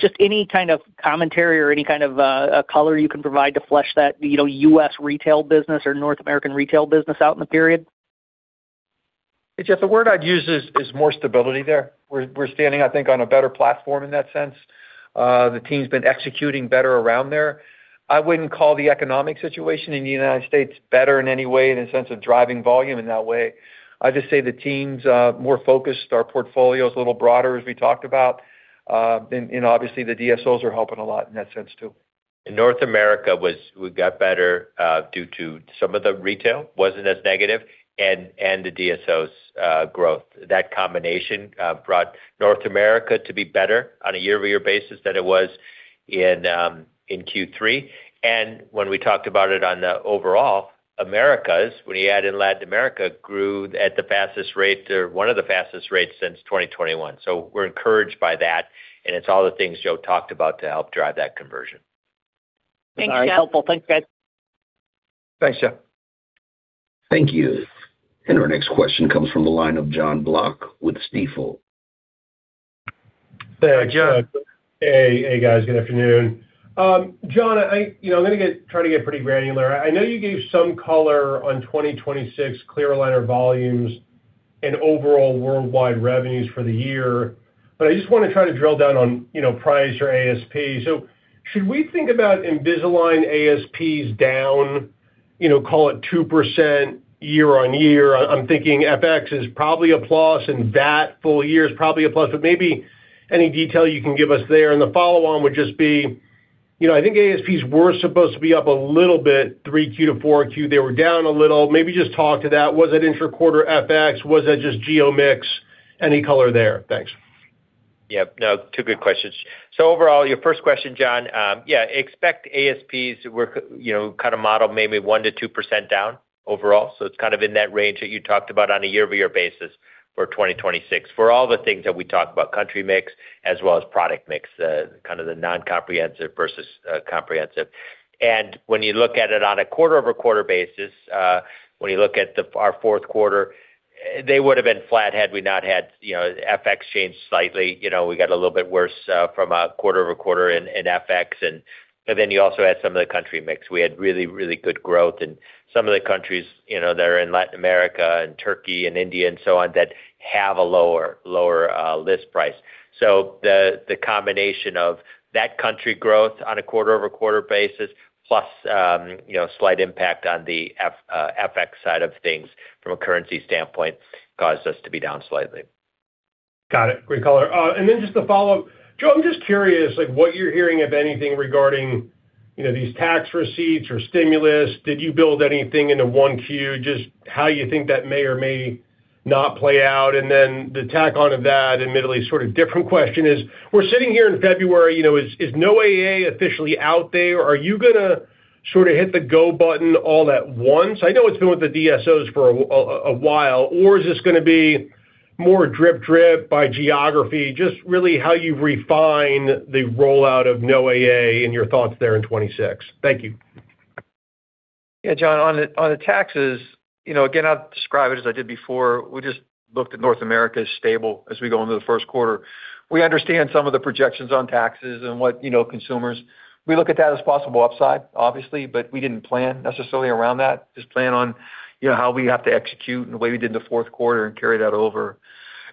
Just any kind of commentary or any kind of color you can provide to flesh that US retail business or North American retail business out in the period? Jeff, the word I'd use is more stability there. We're standing, I think, on a better platform in that sense. The team's been executing better around there. I wouldn't call the economic situation in the United States better in any way in the sense of driving volume in that way. I'd just say the team's more focused, our portfolio's a little broader as we talked about, and obviously, the DSOs are helping a lot in that sense too. In North America, we got better due to some of the retail, wasn't as negative, and the DSOs growth. That combination brought North America to be better on a year-over-year basis than it was in Q3. When we talked about it on the overall, Americas, when you add in Latin America, grew at the fastest rate or one of the fastest rates since 2021. We're encouraged by that, and it's all the things Joe talked about to help drive that conversion. Thanks, Jeff. All right. Helpful. Thanks, guys. Thanks, Jeff. Thank you. Our next question comes from the line of Jon Block with Stifel. Hey, Jeff. Hey, guys. Good afternoon. John, I'm going to try to get pretty granular. I know you gave some color on 2026, clear aligner volumes, and overall worldwide revenues for the year, but I just want to try to drill down on price or ASP. So should we think about Invisalign ASPs down, call it 2% year-over-year? I'm thinking FX is probably a plus, and VAT full year is probably a plus, but maybe any detail you can give us there. And the follow-on would just be, I think ASPs were supposed to be up a little bit 3Q to 4Q. They were down a little. Maybe just talk to that. Was that intra-quarter FX? Was that just geo mix? Any color there? Thanks. Yep. No, two good questions. So overall, your first question, John, yeah, expect ASPs to kind of model maybe 1%-2% down overall. So it's kind of in that range that you talked about on a year-over-year basis for 2026 for all the things that we talk about, country mix as well as product mix, kind of the non-comprehensive versus comprehensive. And when you look at it on a quarter-over-quarter basis, when you look at our Q4, they would have been flat had we not had FX changed slightly. We got a little bit worse from a quarter-over-quarter in FX, but then you also had some of the country mix. We had really, really good growth in some of the countries that are in Latin America and Turkey and India and so on that have a lower list price. The combination of that country growth on a quarter-over-quarter basis plus slight impact on the FX side of things from a currency standpoint caused us to be down slightly. Got it. Great color. And then just the follow-up, Joe, I'm just curious what you're hearing, if anything, regarding these tax receipts or stimulus. Did you build anything into 1Q, just how you think that may or may not play out? And then the tack on to that, admittedly, sort of different question is, we're sitting here in February. Is NoAA officially out there, or are you going to sort of hit the go button all at once? I know it's been with the DSOs for a while, or is this going to be more drip-drip by geography, just really how you refine the rollout of NoAA and your thoughts there in 2026? Thank you. Yeah, John, on the taxes, again, I'll describe it as I did before. We just looked at North America as stable as we go into the Q1. We understand some of the projections on taxes and what consumers we look at that as possible upside, obviously, but we didn't plan necessarily around that, just plan on how we have to execute and the way we did in the Q4 and carry that over.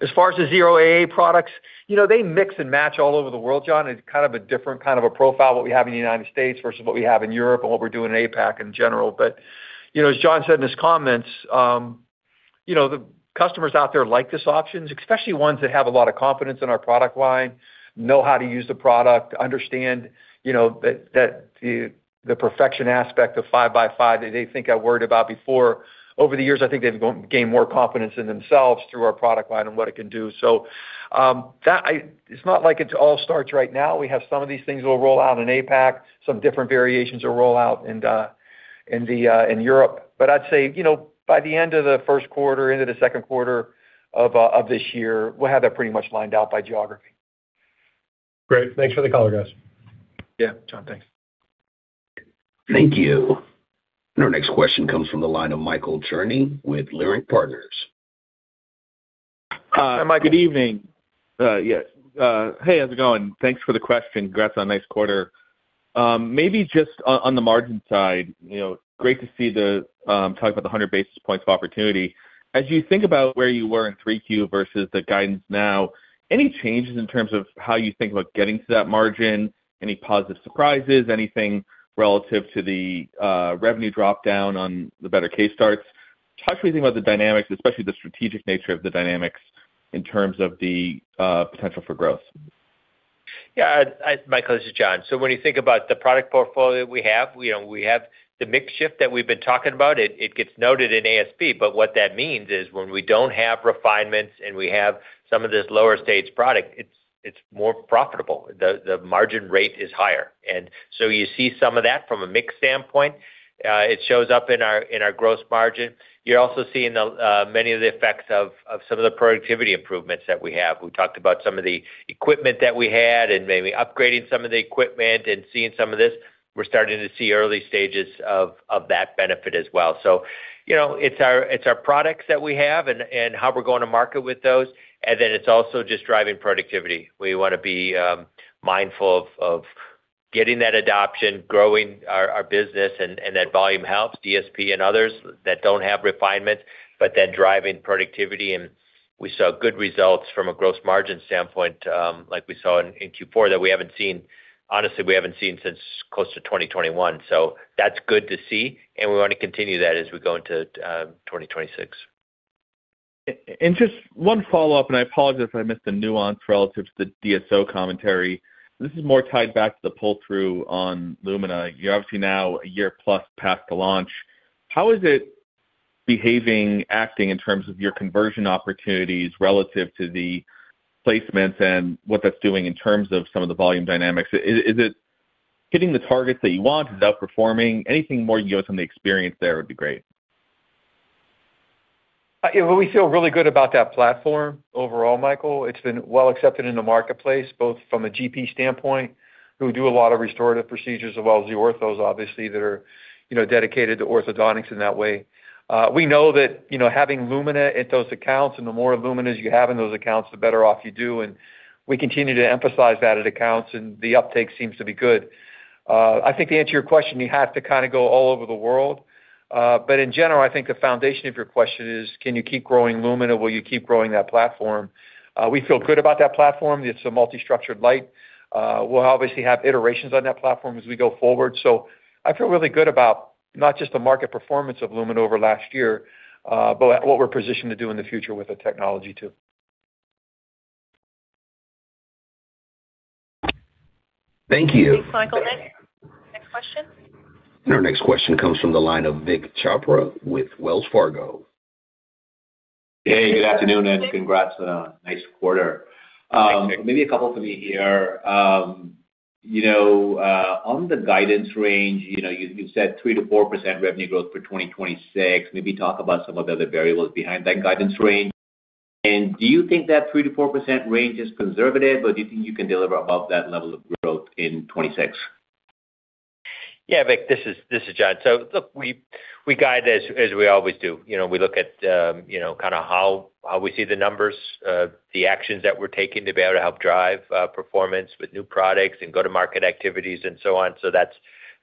As far as the NoAA products, they mix and match all over the world, John. It's kind of a different kind of a profile, what we have in the United States versus what we have in Europe and what we're doing in APAC in general. But as John said in his comments, the customers out there like this option, especially ones that have a lot of confidence in our product line, know how to use the product, understand that the perfection aspect of 5x5 that they think I worried about before. Over the years, I think they've gained more confidence in themselves through our product line and what it can do. So it's not like it all starts right now. We have some of these things that will roll out in APAC, some different variations that will roll out in Europe. But I'd say by the end of the Q1, end of the Q2 of this year, we'll have that pretty much lined out by geography. Great. Thanks for the call, guys. Yeah, John. Thanks. Thank you. Our next question comes from the line of Michael Cherny with Leerink Partners. Hi, Mike. Good evening. Yes. Hey, how's it going? Thanks for the question. Congrats on a nice quarter. Maybe just on the margin side, great to see the talk about the 100 basis points of opportunity. As you think about where you were in 3Q versus the guidance now, any changes in terms of how you think about getting to that margin, any positive surprises, anything relative to the revenue dropdown on the better case starts? Tell me about the dynamics, especially the strategic nature of the dynamics in terms of the potential for growth. Yeah. My call is to John. So when you think about the product portfolio we have, we have the mix shift that we've been talking about. It gets noted in ASP, but what that means is when we don't have refinements and we have some of this lower-stage product, it's more profitable. The margin rate is higher. And so you see some of that from a mix standpoint. It shows up in our gross margin. You're also seeing many of the effects of some of the productivity improvements that we have. We talked about some of the equipment that we had and maybe upgrading some of the equipment and seeing some of this. We're starting to see early stages of that benefit as well. So it's our products that we have and how we're going to market with those. And then it's also just driving productivity. We want to be mindful of getting that adoption, growing our business, and that volume helps, DSP and others that don't have refinements, but then driving productivity. We saw good results from a gross margin standpoint like we saw in Q4 that we haven't seen honestly, we haven't seen since close to 2021. That's good to see, and we want to continue that as we go into 2026. Just one follow-up, and I apologize if I missed the nuance relative to the DSO commentary. This is more tied back to the pull-through on Lumina. You're obviously now a year-plus past the launch. How is it behaving, acting in terms of your conversion opportunities relative to the placements and what that's doing in terms of some of the volume dynamics? Is it hitting the targets that you want? Is it outperforming? Anything more you can give us on the experience there would be great. Yeah. Well, we feel really good about that platform overall, Michael. It's been well accepted in the marketplace both from a GP standpoint, who do a lot of restorative procedures as well as the orthos, obviously, that are dedicated to orthodontics in that way. We know that having Lumina at those accounts and the more Lumina as you have in those accounts, the better off you do. And we continue to emphasize that at accounts, and the uptake seems to be good. I think to answer your question, you have to kind of go all over the world. But in general, I think the foundation of your question is, can you keep growing Lumina? Will you keep growing that platform? We feel good about that platform. It's a multi-structured light. We'll obviously have iterations on that platform as we go forward. So I feel really good about not just the market performance of Lumina over last year, but what we're positioned to do in the future with the technology too. Thank you. Thanks, Michael. Next question? Our next question comes from the line of Vik Chopra with Wells Fargo. Hey, good afternoon, and congrats on a nice quarter. Maybe a couple for me here. On the guidance range, you said 3%-4% revenue growth for 2026. Maybe talk about some of the other variables behind that guidance range. And do you think that 3%-4% range is conservative, or do you think you can deliver above that level of growth in 2026? Yeah, Vic. This is John. So look, we guide as we always do. We look at kind of how we see the numbers, the actions that we're taking to be able to help drive performance with new products and go-to-market activities and so on. So that's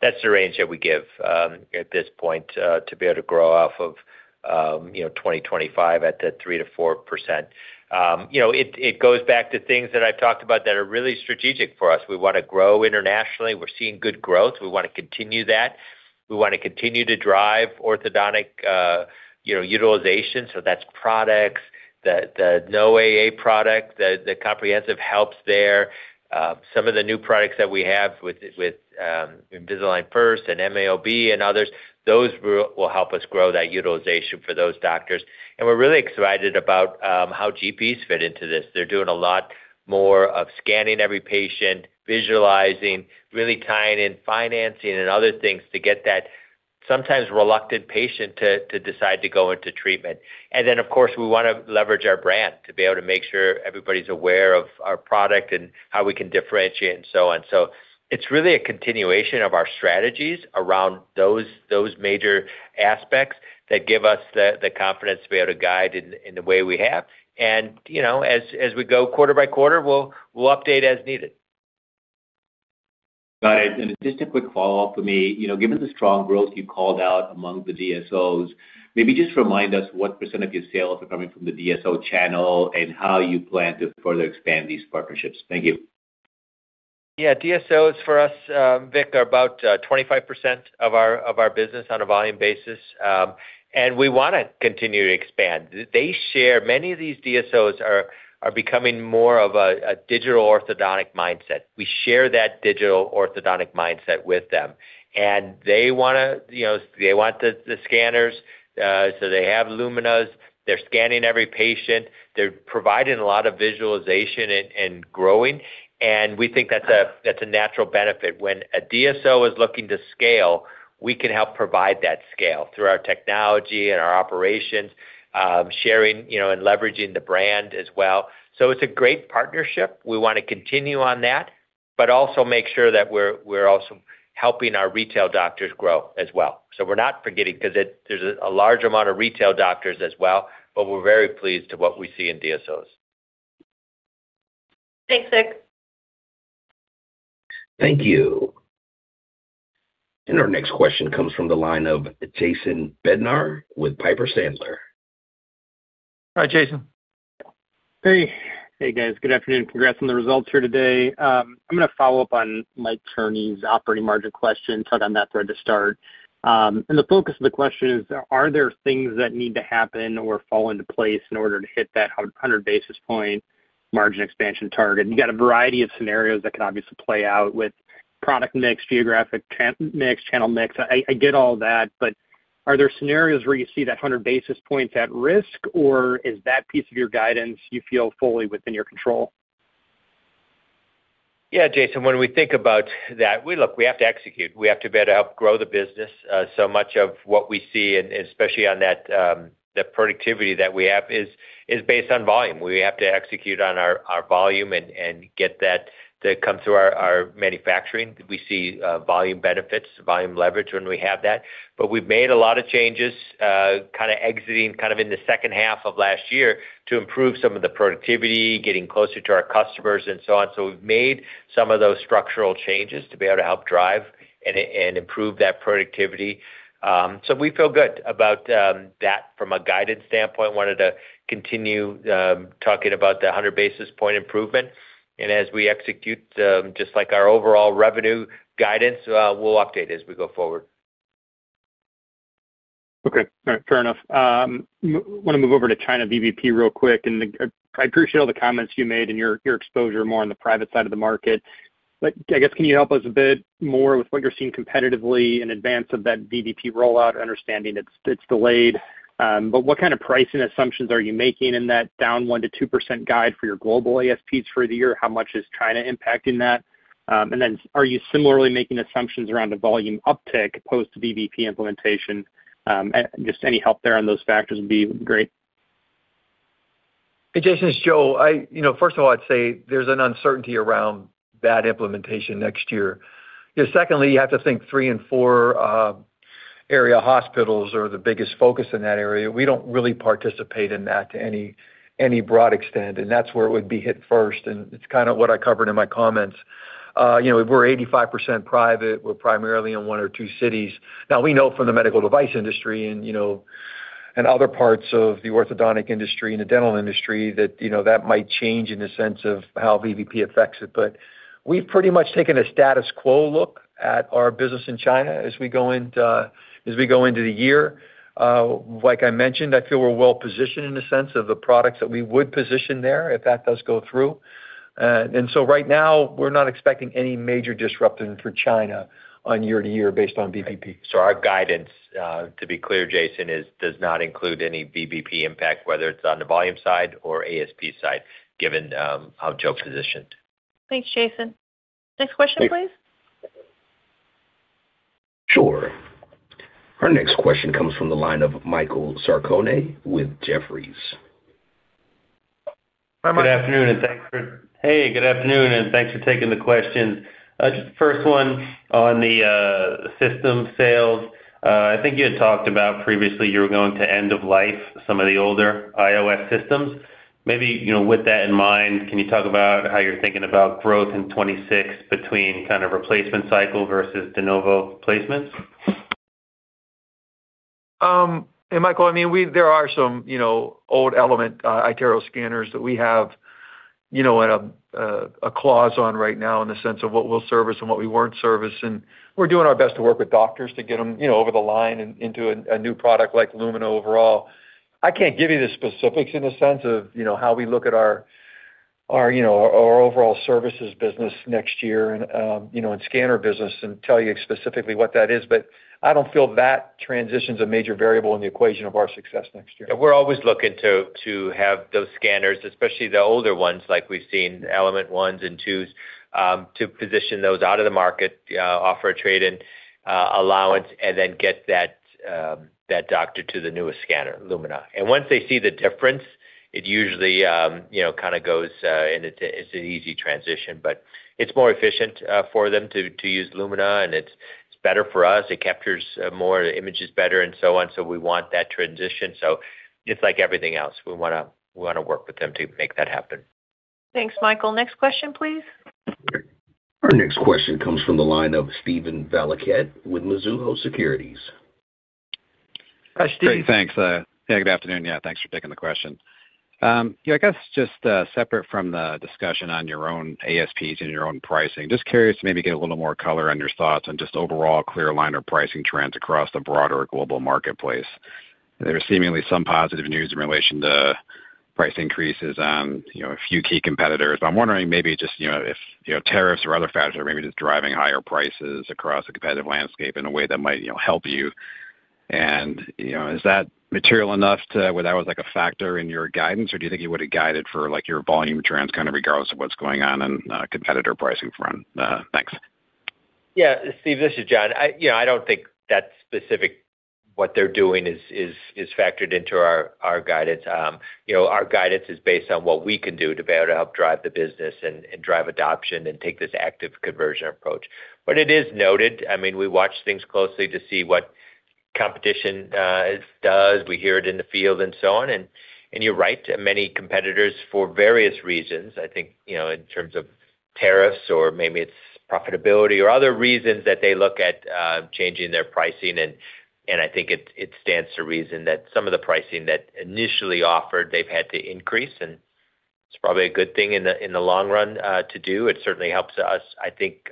the range that we give at this point to be able to grow off of 2025 at the 3%-4%. It goes back to things that I've talked about that are really strategic for us. We want to grow internationally. We're seeing good growth. We want to continue that. We want to continue to drive orthodontic utilization. So that's products, the NoAA product, the comprehensive helps there. Some of the new products that we have with Invisalign First and MAOB and others, those will help us grow that utilization for those doctors. And we're really excited about how GPs fit into this. They're doing a lot more of scanning every patient, visualizing, really tying in financing and other things to get that sometimes reluctant patient to decide to go into treatment. And then, of course, we want to leverage our brand to be able to make sure everybody's aware of our product and how we can differentiate and so on. So it's really a continuation of our strategies around those major aspects that give us the confidence to be able to guide in the way we have. And as we go quarter by quarter, we'll update as needed. Got it. Just a quick follow-up for me. Given the strong growth you called out among the DSOs, maybe just remind us what % of your sales are coming from the DSO channel and how you plan to further expand these partnerships. Thank you. Yeah. DSOs for us, Vic, are about 25% of our business on a volume basis, and we want to continue to expand. Many of these DSOs are becoming more of a digital orthodontic mindset. We share that digital orthodontic mindset with them, and they want the scanners. So they have Luminas. They're scanning every patient. They're providing a lot of visualization and growing. And we think that's a natural benefit. When a DSO is looking to scale, we can help provide that scale through our technology and our operations, sharing and leveraging the brand as well. So it's a great partnership. We want to continue on that, but also make sure that we're also helping our retail doctors grow as well. So we're not forgetting because there's a large amount of retail doctors as well, but we're very pleased with what we see in DSOs. Thanks, Vic. Thank you. Our next question comes from the line of Jason Bednar with Piper Sandler. Hi, Jason. Hey, guys. Good afternoon. Congrats on the results here today. I'm going to follow up on Michael Cherny's operating margin question, tug on that thread to start. And the focus of the question is, are there things that need to happen or fall into place in order to hit that 100 basis point margin expansion target? You got a variety of scenarios that can obviously play out with product mix, geographic mix, channel mix. I get all that, but are there scenarios where you see that 100 basis points at risk, or is that piece of your guidance you feel fully within your control? Yeah, Jason. When we think about that, look, we have to execute. We have to be able to help grow the business. So much of what we see, especially on that productivity that we have, is based on volume. We have to execute on our volume and get that to come through our manufacturing. We see volume benefits, volume leverage when we have that. But we've made a lot of changes kind of exiting kind of in the second half of last year to improve some of the productivity, getting closer to our customers, and so on. So we've made some of those structural changes to be able to help drive and improve that productivity. So we feel good about that from a guidance standpoint. Wanted to continue talking about the 100 basis point improvement. As we execute, just like our overall revenue guidance, we'll update as we go forward. Okay. Fair enough. I want to move over to China VBP real quick. And I appreciate all the comments you made and your exposure more on the private side of the market. But I guess can you help us a bit more with what you're seeing competitively in advance of that VBP rollout? Understanding it's delayed, but what kind of pricing assumptions are you making in that down 1%-2% guide for your global ASPs for the year? How much is China impacting that? And then are you similarly making assumptions around a volume uptick post-VBP implementation? Just any help there on those factors would be great. Hey, Jason. It's Joe. First of all, I'd say there's an uncertainty around that implementation next year. Secondly, you have to think 3- and 4-A hospitals are the biggest focus in that area. We don't really participate in that to any broad extent, and that's where it would be hit first. And it's kind of what I covered in my comments. We're 85% private. We're primarily in one or two cities. Now, we know from the medical device industry and other parts of the orthodontic industry and the dental industry that that might change in the sense of how VBP affects it. But we've pretty much taken a status quo look at our business in China as we go into the year. Like I mentioned, I feel we're well positioned in the sense of the products that we would position there if that does go through. Right now, we're not expecting any major disruption for China on year-over-year based on VBP. Our guidance, to be clear, Jason, does not include any VBP impact, whether it's on the volume side or ASP side, given how Joe positioned. Thanks, Jason. Next question, please. Sure. Our next question comes from the line of Michael Sarcone with Jefferies. Hi, Mike. Good afternoon, and thanks for taking the questions. Just the first one on the system sales. I think you had talked about previously you were going to end-of-life some of the older iTero systems. Maybe with that in mind, can you talk about how you're thinking about growth in 2026 between kind of replacement cycle versus de novo placements? Hey, Michael. I mean, there are some old Element iTero scanners that we have a clause on right now in the sense of what we'll service and what we won't service. And we're doing our best to work with doctors to get them over the line into a new product like Lumina overall. I can't give you the specifics in the sense of how we look at our overall services business next year and scanner business and tell you specifically what that is. But I don't feel that transitions a major variable in the equation of our success next year. Yeah. We're always looking to have those scanners, especially the older ones like we've seen, Element 1s and 2s, to position those out of the market, offer a trade-in allowance, and then get that doctor to the newest scanner, Lumina. And once they see the difference, it usually kind of goes and it's an easy transition. But it's more efficient for them to use Lumina, and it's better for us. It captures more, the image is better, and so on. So we want that transition. So it's like everything else. We want to work with them to make that happen. Thanks, Michael. Next question, please. Our next question comes from the line of Steve Valiquette with Mizuho Securities. Hi, Steve. Great. Thanks. Yeah, good afternoon. Yeah, thanks for taking the question. I guess just separate from the discussion on your own ASPs and your own pricing, just curious to maybe get a little more color on your thoughts on just overall clear aligner pricing trends across the broader global marketplace. There was seemingly some positive news in relation to price increases on a few key competitors. But I'm wondering maybe just if tariffs or other factors are maybe just driving higher prices across the competitive landscape in a way that might help you. And is that material enough to where that was a factor in your guidance, or do you think it would have guided for your volume trends kind of regardless of what's going on on a competitor pricing front? Thanks. Yeah, Steve, this is John. I don't think that specific what they're doing is factored into our guidance. Our guidance is based on what we can do to be able to help drive the business and drive adoption and take this active conversion approach. But it is noted. I mean, we watch things closely to see what competition does. We hear it in the field and so on. And you're right, many competitors for various reasons. I think in terms of tariffs or maybe it's profitability or other reasons that they look at changing their pricing. And I think it stands to reason that some of the pricing that initially offered, they've had to increase. And it's probably a good thing in the long run to do. It certainly helps us, I think,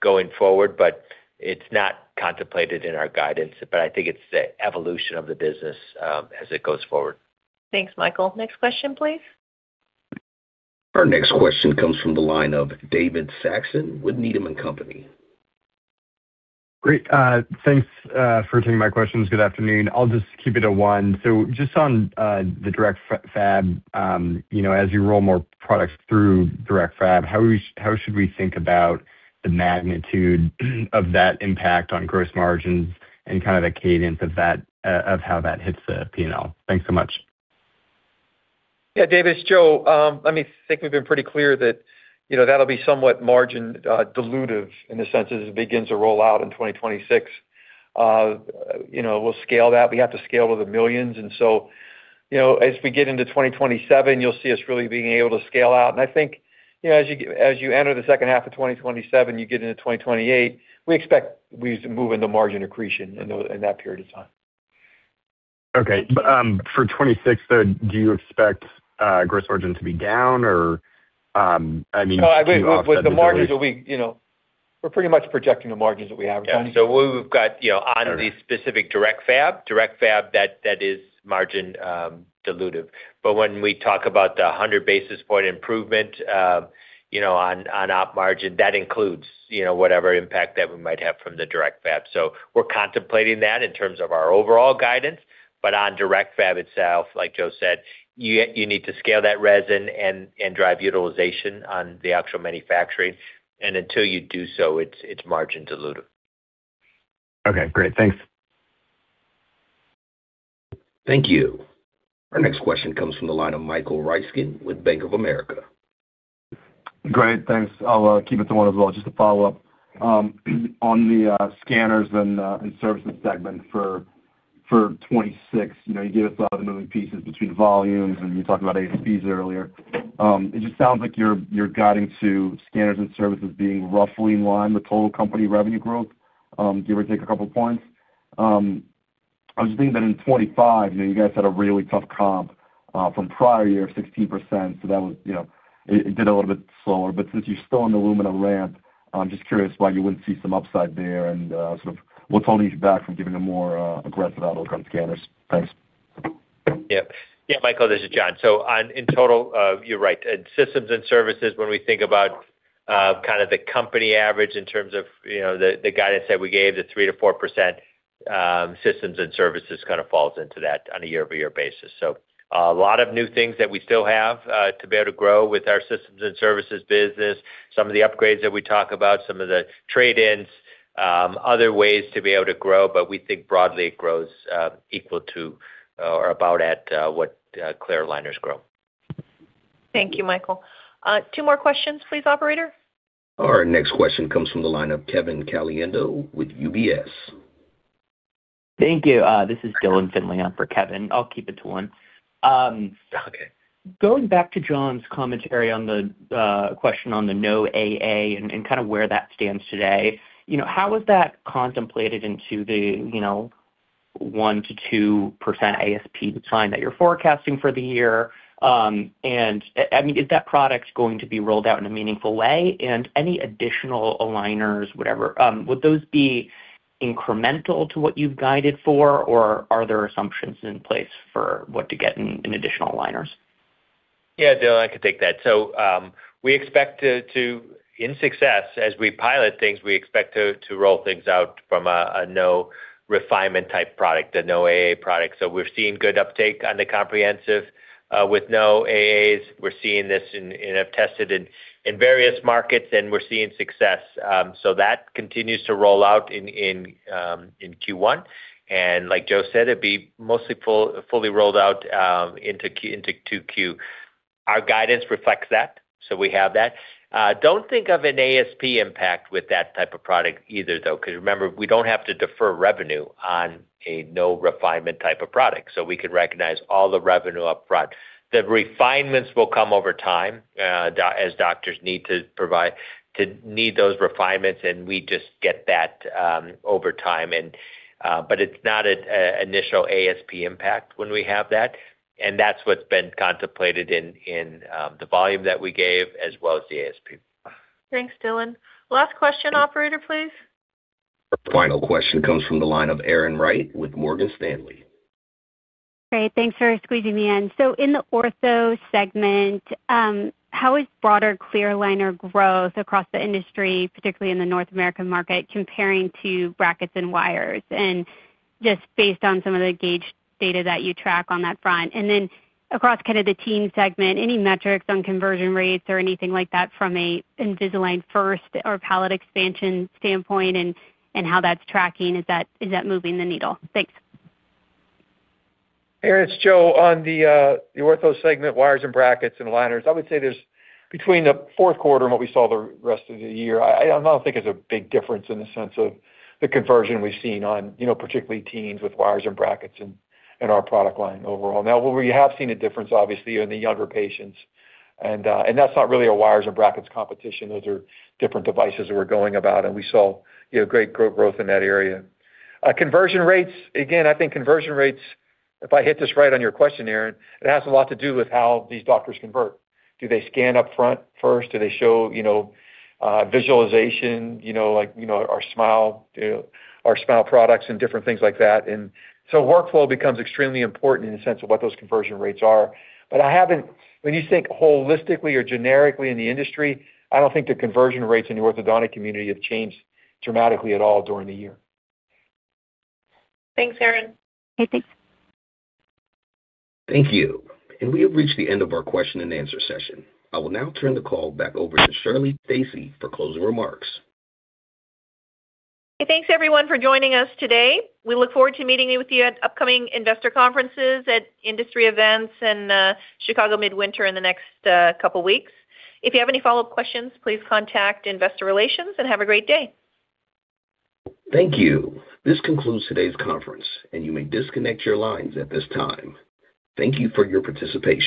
going forward. But it's not contemplated in our guidance. I think it's the evolution of the business as it goes forward. Thanks, Michael. Next question, please. Our next question comes from the line of David Saxon with Needham & Company. Great. Thanks for taking my questions. Good afternoon. I'll just keep it to one. So just on the direct fab, as you roll more products through direct fab, how should we think about the magnitude of that impact on gross margins and kind of the cadence of how that hits the P&L? Thanks so much. Yeah, David. It's Joe. Let me think we've been pretty clear that that'll be somewhat margin dilutive in the sense as it begins to roll out in 2026. We'll scale that. We have to scale to the millions. And so as we get into 2027, you'll see us really being able to scale out. And I think as you enter the second half of 2027, you get into 2028, we expect we're moving the margin accretion in that period of time. Okay. For 2026, though, do you expect gross margin to be down, or? I mean, what's the projection? Oh, I think with the margins that we're pretty much projecting the margins that we have, Johnny. Yeah. So we've got on the specific direct fab, direct fab that is margin dilutive. But when we talk about the 100 basis point improvement on op margin, that includes whatever impact that we might have from the direct fab. So we're contemplating that in terms of our overall guidance. But on direct fab itself, like Joe said, you need to scale that resin and drive utilization on the actual manufacturing. And until you do so, it's margin dilutive. Okay. Great. Thanks. Thank you. Our next question comes from the line of Michael Ryskin with Bank of America. Great. Thanks. I'll keep it to one as well. Just a follow-up. On the scanners and services segment for 2026, you gave us a lot of the moving pieces between volumes, and you talked about ASPs earlier. It just sounds like you're guiding to scanners and services being roughly in line with total company revenue growth, give or take a couple of points. I was just thinking that in 2025, you guys had a really tough comp from prior year, 16%. So that was it did a little bit slower. But since you're still in the Lumina ramp, I'm just curious why you wouldn't see some upside there. And sort of what's holding you back from giving a more aggressive outlook on scanners? Thanks. Yeah. Yeah, Michael. This is John. So in total, you're right. And systems and services, when we think about kind of the company average in terms of the guidance that we gave, the 3%-4% systems and services kind of falls into that on a year-over-year basis. So a lot of new things that we still have to be able to grow with our systems and services business, some of the upgrades that we talk about, some of the trade-ins, other ways to be able to grow. But we think broadly, it grows equal to or about at what clear liners grow. Thank you, Michael. Two more questions, please, operator. Our next question comes from the line of Kevin Caliendo with UBS. Thank you. This is Dylan Finley for Kevin. I'll keep it to one. Going back to John's commentary on the question on the no AA and kind of where that stands today, how is that contemplated into the 1%-2% ASP decline that you're forecasting for the year? And I mean, is that product going to be rolled out in a meaningful way? And any additional aligners, whatever, would those be incremental to what you've guided for, or are there assumptions in place for what to get in additional aligners? Yeah, Dylan, I could take that. So we expect to see success, as we pilot things, we expect to roll things out from a no-refinement-type product, a NoAA product. So we're seeing good uptake on the comprehensive with NoAAs. We're seeing this and have tested in various markets, and we're seeing success. So that continues to roll out in Q1. And like Joe said, it'd be mostly fully rolled out into Q2. Our guidance reflects that, so we have that. Don't think of an ASP impact with that type of product either, though, because remember, we don't have to defer revenue on a no-refinement-type product. So we can recognize all the revenue upfront. The refinements will come over time as doctors need to provide those refinements, and we just get that over time. But it's not an initial ASP impact when we have that. And that's what's been contemplated in the volume that we gave as well as the ASP. Thanks, Dylan. Last question, operator, please. Our final question comes from the line of Erin Wright with Morgan Stanley. Great. Thanks for squeezing me in. So in the ortho segment, how is broader clear aligner growth across the industry, particularly in the North American market, comparing to brackets and wires and just based on some of the gauge data that you track on that front? And then across kind of the teen segment, any metrics on conversion rates or anything like that from an Invisalign First or palate expansion standpoint and how that's tracking? Is that moving the needle? Thanks. Here it is, Joe. On the ortho segment, wires and brackets and liners, I would say there's between the Q4 and what we saw the rest of the year, I don't think there's a big difference in the sense of the conversion we've seen on particularly teens with wires and brackets in our product line overall. Now, we have seen a difference, obviously, in the younger patients. That's not really a wires and brackets competition. Those are different devices that we're going about, and we saw great growth in that area. Conversion rates, again, I think conversion rates, if I hit this right on your question, Aaron, it has a lot to do with how these doctors convert. Do they scan upfront first? Do they show visualization like our smile products and different things like that? And so workflow becomes extremely important in the sense of what those conversion rates are. But when you think holistically or generically in the industry, I don't think the conversion rates in the orthodontic community have changed dramatically at all during the year. Thanks, Aaron. Hey, thanks. Thank you. We have reached the end of our question-and-answer session. I will now turn the call back over to Shirley Stacy for closing remarks. Hey, thanks, everyone, for joining us today. We look forward to meeting you at upcoming investor conferences, at industry events, and Chicago Midwinter in the next couple of weeks. If you have any follow-up questions, please contact Investor Relations and have a great day. Thank you. This concludes today's conference, and you may disconnect your lines at this time. Thank you for your participation.